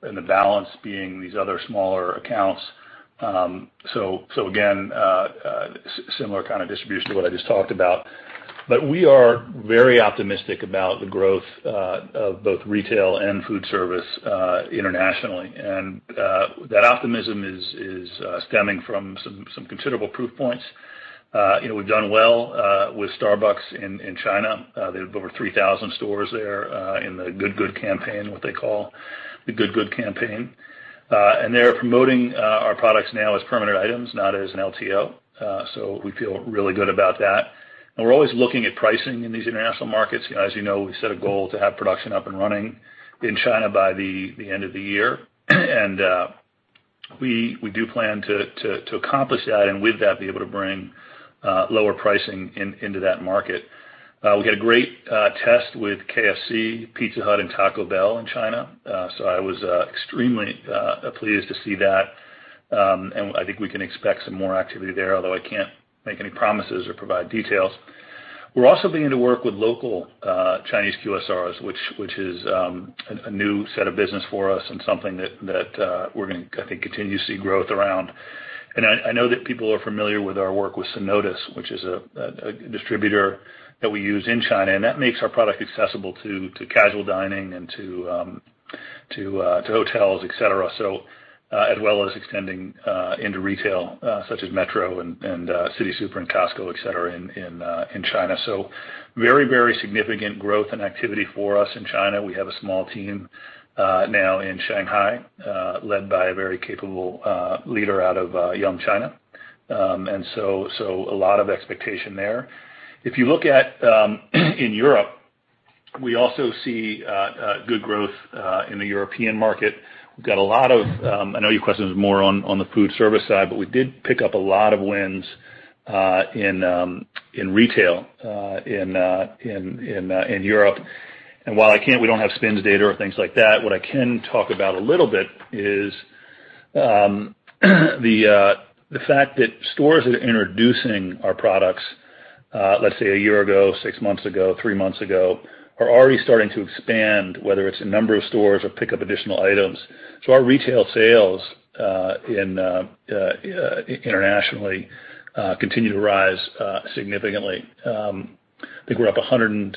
the balance being these other smaller accounts. Again, similar kind of distribution to what I just talked about. We are very optimistic about the growth of both retail and food service internationally. That optimism is stemming from some considerable proof points. We've done well with Starbucks in China. They have over 3,000 stores there in the GOOD GOOD campaign, what they call the GOOD GOOD campaign. They're promoting our products now as permanent items, not as an LTO. We feel really good about that. We're always looking at pricing in these international markets. As you know, we set a goal to have production up and running in China by the end of the year. We do plan to accomplish that and with that, be able to bring lower pricing into that market. We had a great test with KFC, Pizza Hut, and Taco Bell in China. I was extremely pleased to see that. I think we can expect some more activity there, although I can't make any promises or provide details. We're also beginning to work with local Chinese QSRs, which is a new set of business for us and something that we're going to, I think, continue to see growth around. I know that people are familiar with our work with Sinodis, which is a distributor that we use in China, and that makes our product accessible to casual dining and to hotels, et cetera. As well as extending into retail such as Metro and city'super and Costco, et cetera, in China. Very significant growth and activity for us in China. We have a small team now in Shanghai, led by a very capable leader out of Yum China. A lot of expectation there. If you look at in Europe, we also see good growth in the European market. I know your question is more on the food service side, but we did pick up a lot of wins in retail in Europe. While we don't have SPINS data or things like that, what I can talk about a little bit is the fact that stores that are introducing our products, let's say a year ago, six months ago, three months ago, are already starting to expand, whether it's in number of stores or pick up additional items. Our retail sales internationally continue to rise significantly. I think we're up 167%.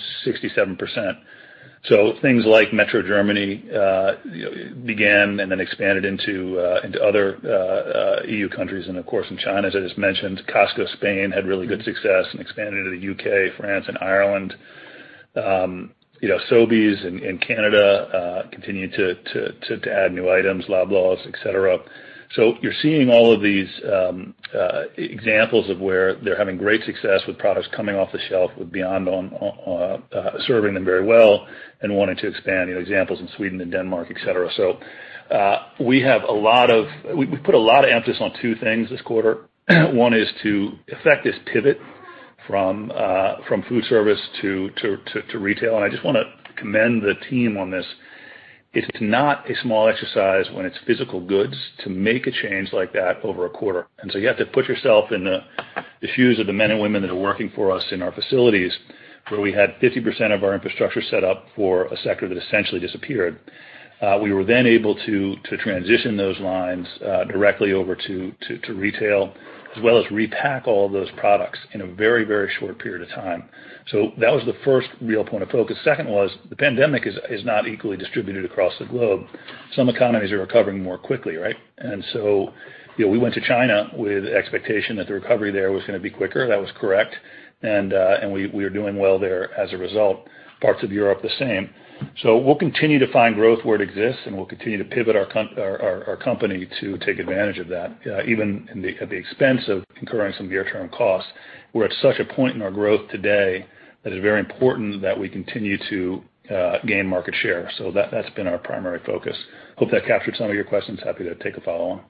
Things like Metro Germany began and then expanded into other EU countries and of course, in China, as I just mentioned. Costco Spain had really good success and expanded into the U.K., France, and Ireland. Sobeys in Canada continued to add new items, Loblaws, et cetera. You're seeing all of these examples of where they're having great success with products coming off the shelf with Beyond serving them very well and wanting to expand, examples in Sweden and Denmark, et cetera. We put a lot of emphasis on two things this quarter. One is to effect this pivot from food service to retail. I just want to commend the team on this. It's not a small exercise when it's physical goods to make a change like that over a quarter. You have to put yourself in the shoes of the men and women that are working for us in our facilities, where we had 50% of our infrastructure set up for a sector that essentially disappeared. We were then able to transition those lines directly over to retail, as well as repack all those products in a very short period of time. That was the first real point of focus. Second was the pandemic is not equally distributed across the globe. Some economies are recovering more quickly, right? We went to China with the expectation that the recovery there was going to be quicker. That was correct. We are doing well there as a result, parts of Europe the same. We'll continue to find growth where it exists, and we'll continue to pivot our company to take advantage of that even at the expense of incurring some near-term costs. We're at such a point in our growth today that is very important that we continue to gain market share. That's been our primary focus. I hope that captured some of your questions. I am happy to take a follow-on.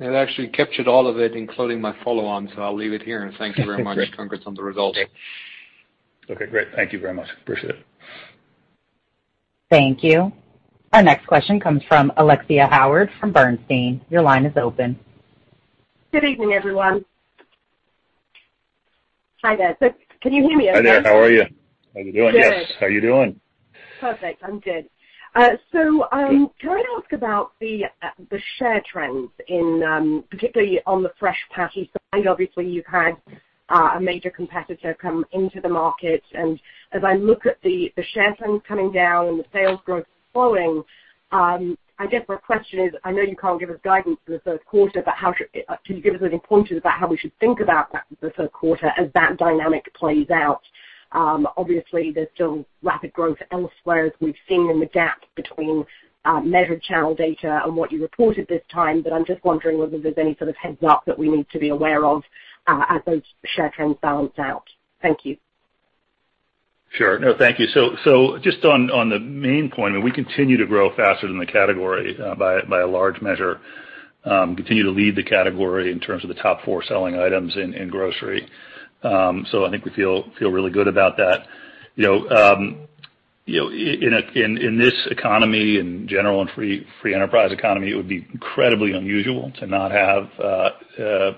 It actually captured all of it, including my follow-on, so I'll leave it here. Thank you very much. Congrats on the results. Okay, great. Thank you very much. Appreciate it. Thank you. Our next question comes from Alexia Howard from Bernstein. Your line is open. Good evening, everyone. Hi there. Can you hear me okay? Hi there. How are you? How are you doing? Good. Yes, how are you doing? Perfect. I'm good. Can I ask about the share trends in, particularly on the fresh patty side? Obviously, you've had a major competitor come into the market, and as I look at the share trends coming down and the sales growth slowing, I guess my question is, I know you can't give us guidance for the third quarter, but can you give us any pointers about how we should think about that for the third quarter as that dynamic plays out? Obviously, there's still rapid growth elsewhere, as we've seen in the gap between measured channel data and what you reported this time. I'm just wondering whether there's any sort of heads up that we need to be aware of as those share trends balance out. Thank you. Sure. No, thank you. Just on the main point, we continue to grow faster than the category by a large measure. Continue to lead the category in terms of the top four selling items in grocery. I think we feel really good about that. In this economy in general, in free enterprise economy, it would be incredibly unusual to not have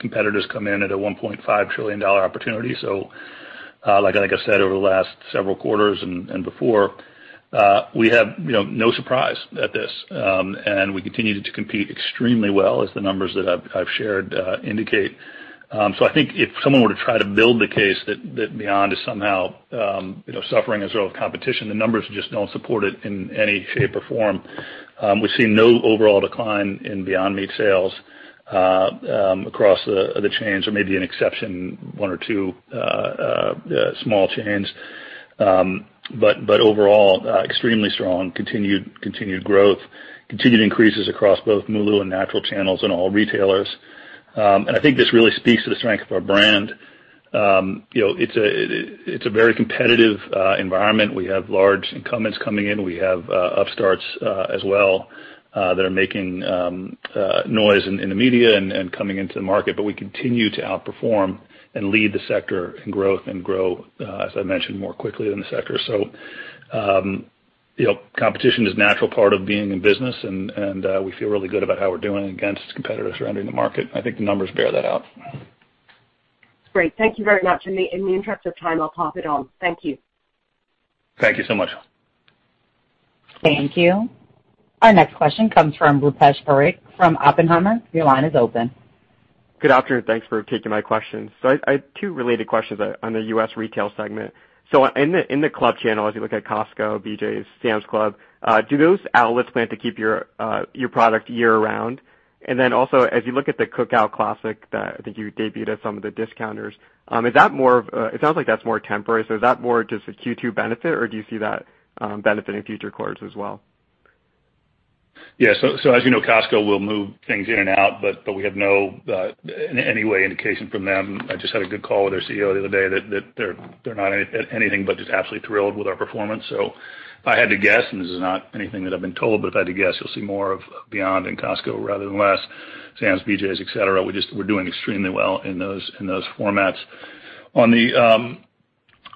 competitors come in at a $1.5 trillion opportunity. Like I said, over the last several quarters and before, we have no surprise at this. We continued to compete extremely well as the numbers that I've shared indicate. I think if someone were to try to build the case that Beyond is somehow suffering as a result of competition, the numbers just don't support it in any shape or form. We've seen no overall decline in Beyond Meat sales across the chains. There may be an exception, one or two small chains. Overall, extremely strong continued growth, continued increases across both MULO and natural channels in all retailers. I think this really speaks to the strength of our brand. It's a very competitive environment. We have large incumbents coming in. We have upstarts as well that are making noise in the media and coming into the market. We continue to outperform and lead the sector in growth and grow, as I mentioned, more quickly than the sector. Competition is a natural part of being in business, and we feel really good about how we're doing against competitors who are entering the market. I think the numbers bear that out. Great. Thank you very much. In the interest of time, I'll pop it on. Thank you. Thank you so much. Thank you. Our next question comes from Rupesh Parikh from Oppenheimer. Your line is open. Good afternoon. Thanks for taking my questions. I have two related questions on the U.S. retail segment. In the club channel, as you look at Costco, BJ's, Sam's Club, do those outlets plan to keep your product year-round? As you look at the Cookout Classic that I think you debuted at some of the discounters, it sounds like that's more temporary. Is that more just a Q2 benefit, or do you see that benefiting future quarters as well? As you know, Costco will move things in and out, but we have no, in any way, indication from them. I just had a good call with their CEO the other day that they're not anything but just absolutely thrilled with our performance. If I had to guess, and this is not anything that I've been told, but if I had to guess, you'll see more of Beyond in Costco rather than less, Sam's, BJ's, et cetera. We're doing extremely well in those formats. On the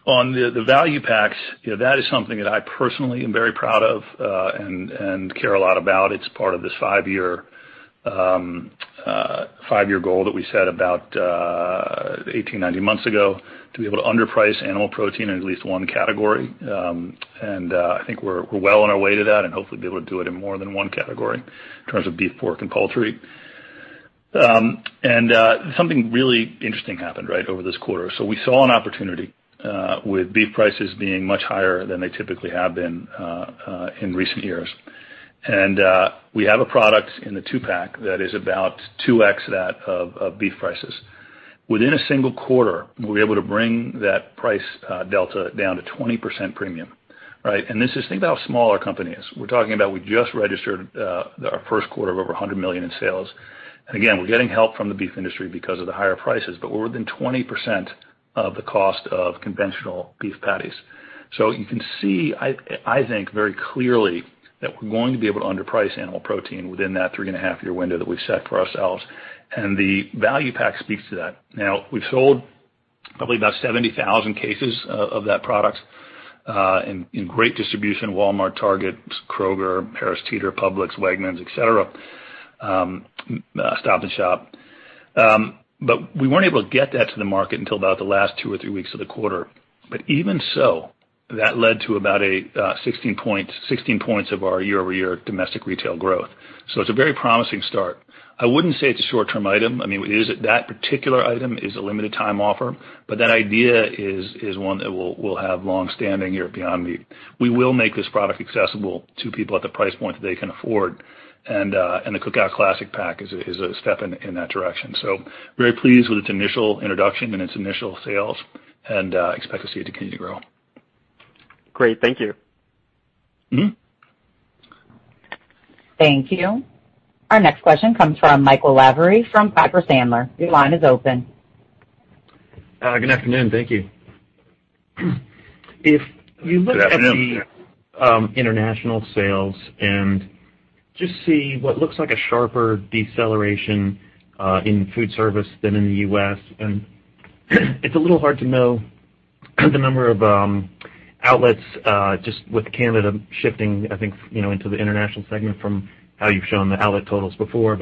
value packs, that is something that I personally am very proud of and care a lot about. It's part of this five-year goal that we set about 18, 19 months ago, to be able to underprice animal protein in at least one category. I think we're well on our way to that and hopefully be able to do it in more than one category in terms of beef, pork, and poultry. We saw an opportunity with beef prices being much higher than they typically have been in recent years. We have a product in the two-pack that is about 2x that of beef prices. Within a single quarter, we were able to bring that price delta down to 20% premium. Right? Think about how small our company is. We're talking about we just registered our first quarter of over $100 million in sales. Again, we're getting help from the beef industry because of the higher prices, but we're within 20% of the cost of conventional beef patties. You can see, I think, very clearly that we're going to be able to underprice animal protein within that three-and-a-half year window that we've set for ourselves, and the value pack speaks to that. We've sold probably about 70,000 cases of that product in great distribution, Walmart, Target, Kroger, Harris Teeter, Publix, Wegmans, et cetera, Stop & Shop. We weren't able to get that to the market until about the last two or three weeks of the quarter. Even so, that led to about a 16 points of our year-over-year domestic retail growth. It's a very promising start. I wouldn't say it's a short-term item. That particular item is a limited time offer, but that idea is one that will have longstanding here at Beyond Meat. We will make this product accessible to people at the price point that they can afford, and the Cookout Classic pack is a step in that direction. Very pleased with its initial introduction and its initial sales and expect to see it continue to grow. Great. Thank you. Thank you. Our next question comes from Michael Lavery from Piper Sandler. Your line is open. Good afternoon. Thank you. Good afternoon. If you look at the international sales and just see what looks like a sharper deceleration in food service than in the U.S., and it's a little hard to know the number of outlets just with Canada shifting, I think, into the international segment from how you've shown the outlet totals before.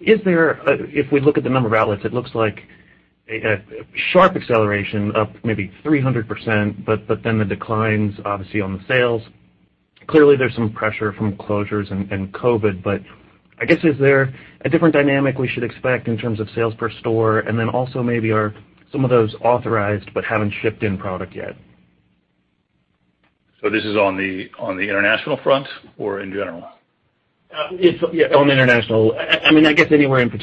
If we look at the number of outlets, it looks like a sharp acceleration of maybe 300%, but then the declines, obviously, on the sales. Clearly, there's some pressure from closures and COVID, but I guess, is there a different dynamic we should expect in terms of sales per store? Also maybe are some of those authorized but haven't shipped in product yet? This is on the international front or in general? Yeah, on international. I guess anywhere in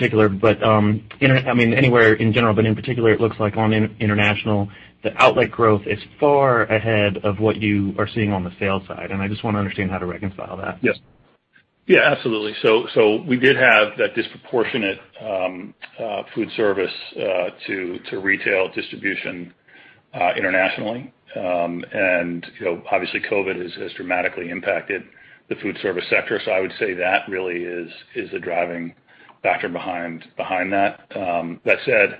general, but in particular, it looks like on international, the outlet growth is far ahead of what you are seeing on the sales side, and I just want to understand how to reconcile that. Yes. Yeah, absolutely. We did have that disproportionate food service to retail distribution internationally. Obviously COVID has dramatically impacted the food service sector. I would say that really is the driving factor behind that. That said,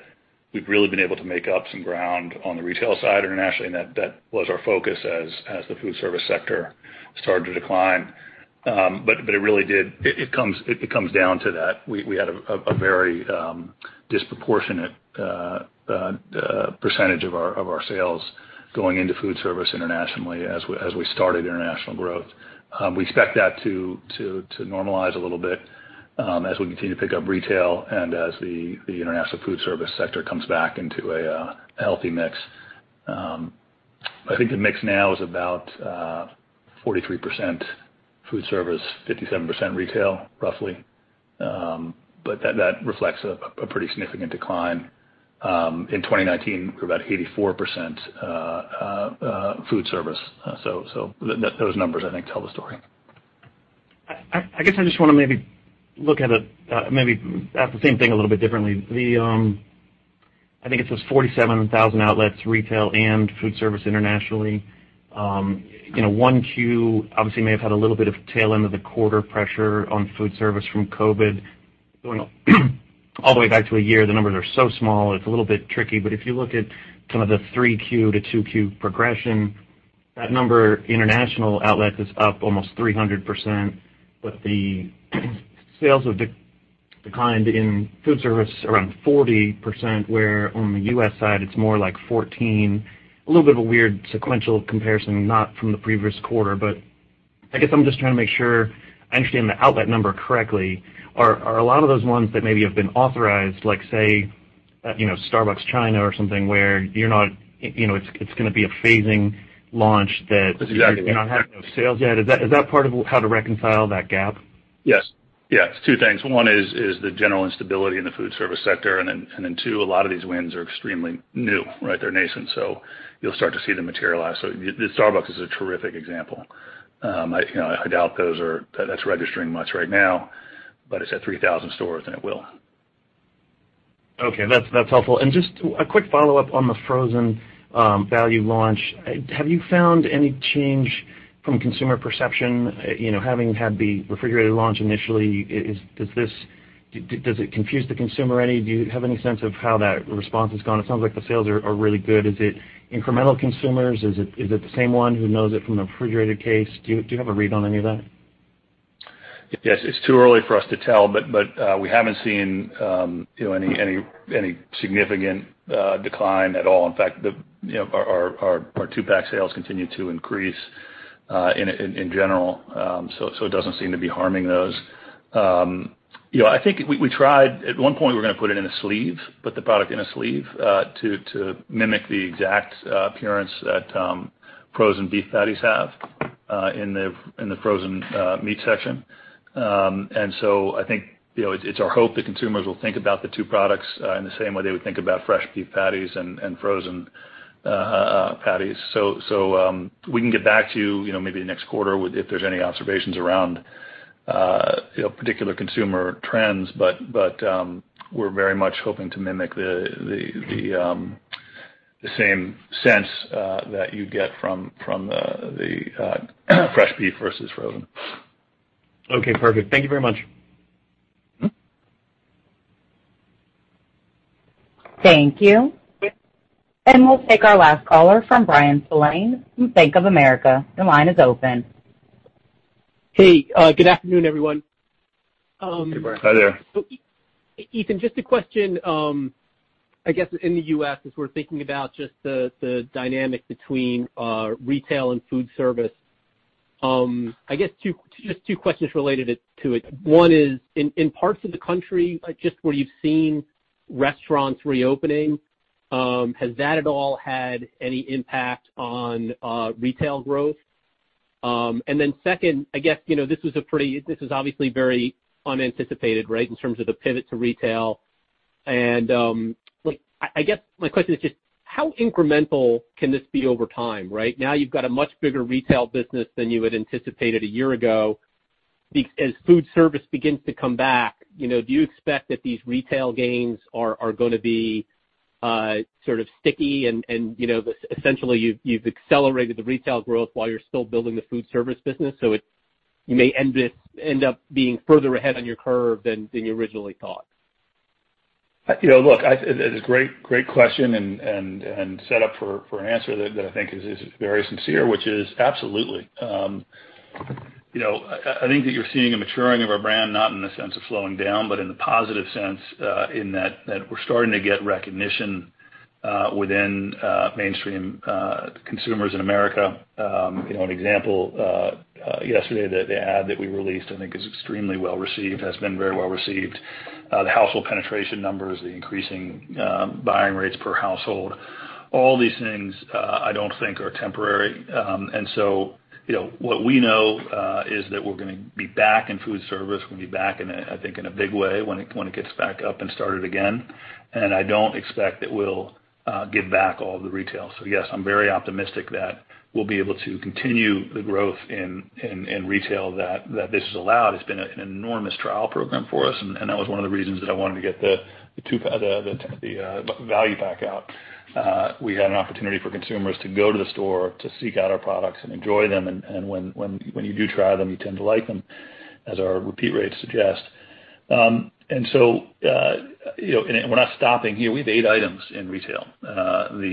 we've really been able to make up some ground on the retail side internationally, and that was our focus as the food service sector started to decline. It really did. It comes down to that. We had a very disproportionate percentage of our sales going into food service internationally as we started international growth. We expect that to normalize a little bit as we continue to pick up retail and as the international food service sector comes back into a healthy mix. I think the mix now is about 43% food service, 57% retail, roughly. That reflects a pretty significant decline. In 2019, we were about 84% food service. Those numbers, I think, tell the story. I guess I just want to maybe look at the same thing a little bit differently. I think it was 47,000 outlets, retail and food service internationally. One Q obviously may have had a little bit of tail end of the quarter pressure on food service from COVID. Going all the way back to a year, the numbers are so small, it's a little bit tricky. If you look at some of the three Q to two Q progression, that number, international outlets, is up almost 300%, but the sales have declined in food service around 40%, where on the U.S. side, it's more like 14. A little bit of a weird sequential comparison, not from the previous quarter, but I guess I'm just trying to make sure I understand the outlet number correctly. Are a lot of those ones that maybe have been authorized, like say, Starbucks China or something, where it's going to be a phasing launch that? Exactly. You're going to have no sales yet. Is that part of how to reconcile that gap? Yes. Two things. One is the general instability in the food service sector. Two, a lot of these wins are extremely new. They're nascent. You'll start to see them materialize. Starbucks is a terrific example. I doubt that's registering much right now, but it's at 3,000 stores and it will. Okay. That's helpful. Just a quick follow-up on the frozen value launch. Have you found any change from consumer perception, having had the refrigerated launch initially? Does it confuse the consumer any? Do you have any sense of how that response has gone? It sounds like the sales are really good. Is it incremental consumers? Is it the same one who knows it from the refrigerated case? Do you have a read on any of that? Yes. It's too early for us to tell, but we haven't seen any significant decline at all. In fact, our two-pack sales continue to increase in general. It doesn't seem to be harming those. I think, it's our hope that consumers will think about the two products in the same way they would think about fresh beef patties and frozen patties. We can get back to you maybe next quarter if there's any observations around particular consumer trends. We're very much hoping to mimic the same sense that you get from the fresh beef versus frozen. Okay, perfect. Thank you very much. Thank you. We'll take our last caller from Bryan Spillane from Bank of America. The line is open. Hey, good afternoon, everyone. Hey, Bryan. Hi there. Ethan, just a question. I guess in the U.S., as we're thinking about just the dynamic between retail and food service, I guess just two questions related to it. One is, in parts of the country, just where you've seen restaurants reopening, has that at all had any impact on retail growth? Second, I guess, this was obviously very unanticipated in terms of the pivot to retail. I guess my question is just how incremental can this be over time? Now you've got a much bigger retail business than you had anticipated a year ago. As food service begins to come back, do you expect that these retail gains are going of sort of sticky and, essentially, you've accelerated the retail growth while you're still building the food service business? You may end up being further ahead on your curve than you originally thought. Look, it is a great question and set up for an answer that I think is very sincere, which is absolutely. I think that you're seeing a maturing of our brand, not in the sense of slowing down, but in the positive sense in that we're starting to get recognition within mainstream consumers in America. An example, yesterday, the ad that we released, I think is extremely well-received, has been very well-received. The household penetration numbers, the increasing buying rates per household, all these things I don't think are temporary. What we know is that we're going to be back in food service. We'll be back in a big way, when it gets back up and started again. I don't expect that we'll give back all the retail. Yes, I'm very optimistic that we'll be able to continue the growth in retail that this has allowed. It's been an enormous trial program for us, and that was one of the reasons that I wanted to get the value pack out. We had an opportunity for consumers to go to the store to seek out our products and enjoy them. When you do try them, you tend to like them. As our repeat rates suggest. We're not stopping here. We have eight items in retail. The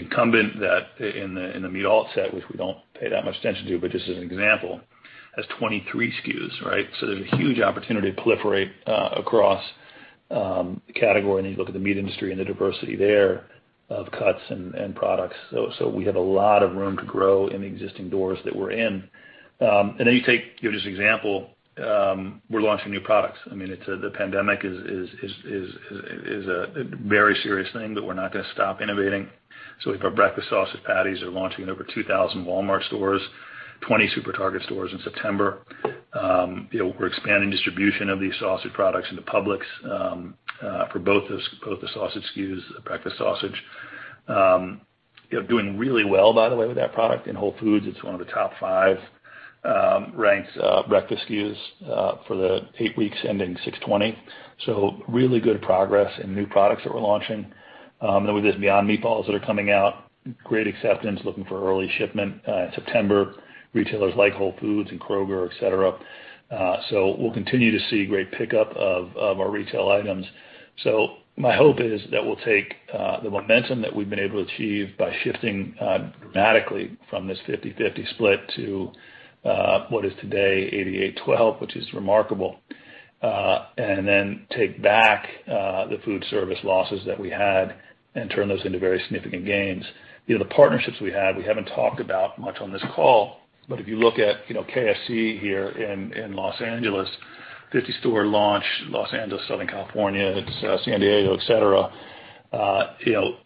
incumbent that in the meat alt set, which we don't pay that much attention to, but just as an example, has 23 SKUs, right? There's a huge opportunity to proliferate across category, and then you look at the meat industry and the diversity there of cuts and products. We have a lot of room to grow in the existing doors that we're in. Give this example, we're launching new products. I mean, the pandemic is a very serious thing, but we're not going to stop innovating. We've got breakfast sausage patties are launching in over 2,000 Walmart stores, 20 SuperTarget stores in September. We're expanding distribution of these sausage products into Publix for both the sausage SKUs, the breakfast sausage. Doing really well, by the way, with that product. In Whole Foods, it's one of the top five ranked breakfast SKUs for the eight weeks ending 06/20/2020. Really good progress in new products that we're launching. We have these Beyond Meatballs that are coming out. Great acceptance, looking for early shipment in September. Retailers like Whole Foods and Kroger, et cetera. We'll continue to see great pickup of our retail items. My hope is that we'll take the momentum that we've been able to achieve by shifting dramatically from this 50/50 split to what is today 88/12, which is remarkable. Take back the food service losses that we had and turn those into very significant gains. The partnerships we had, we haven't talked about much on this call, but if you look at KFC here in Los Angeles, 50-store launch, Los Angeles, Southern California, San Diego, et cetera.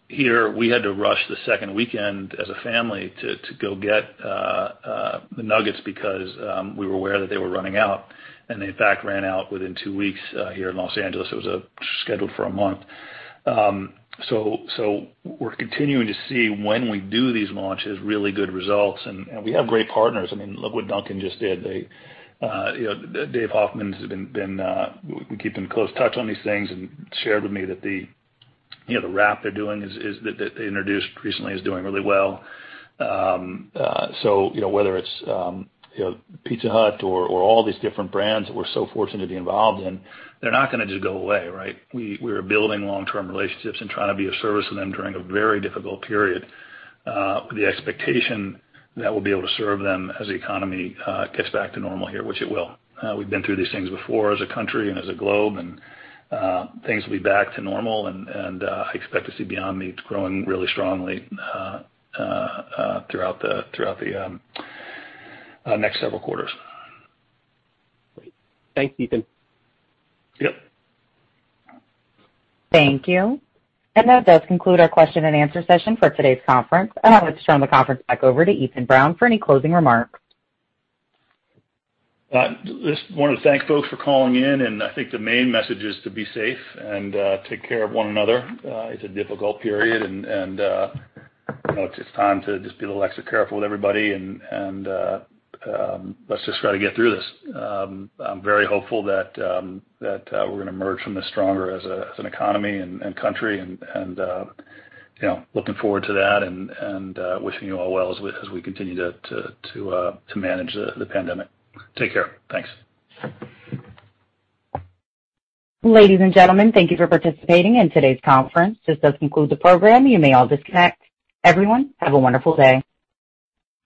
Here, we had to rush the second weekend as a family to go get the nuggets because we were aware that they were running out. They, in fact, ran out within two weeks here in Los Angeles. It was scheduled for a month. We're continuing to see when we do these launches, really good results. We have great partners. I mean, look what Dunkin' just did. Dave Hoffmann, we keep in close touch on these things and shared with me that the wrap they're doing, that they introduced recently, is doing really well. Whether it's Pizza Hut or all these different brands that we're so fortunate to be involved in, they're not going to just go away, right? We are building long-term relationships and trying to be of service to them during a very difficult period. The expectation that we'll be able to serve them as the economy gets back to normal here, which it will. We've been through these things before as a country and as a globe, things will be back to normal. I expect to see Beyond Meat growing really strongly throughout the next several quarters. Great. Thanks, Ethan. Yep. Thank you. That does conclude our question-and-answer session for today's conference. I'll now turn the conference back over to Ethan Brown for any closing remarks. Just want to thank folks for calling in. I think the main message is to be safe and take care of one another. It's a difficult period. It's time to just be a little extra careful with everybody. Let's just try to get through this. I'm very hopeful that we're going to emerge from this stronger as an economy and country. Looking forward to that. Wishing you all well as we continue to manage the pandemic. Take care. Thanks. Ladies and gentlemen, thank you for participating in today's conference. This does conclude the program. You may all disconnect. Everyone, have a wonderful day.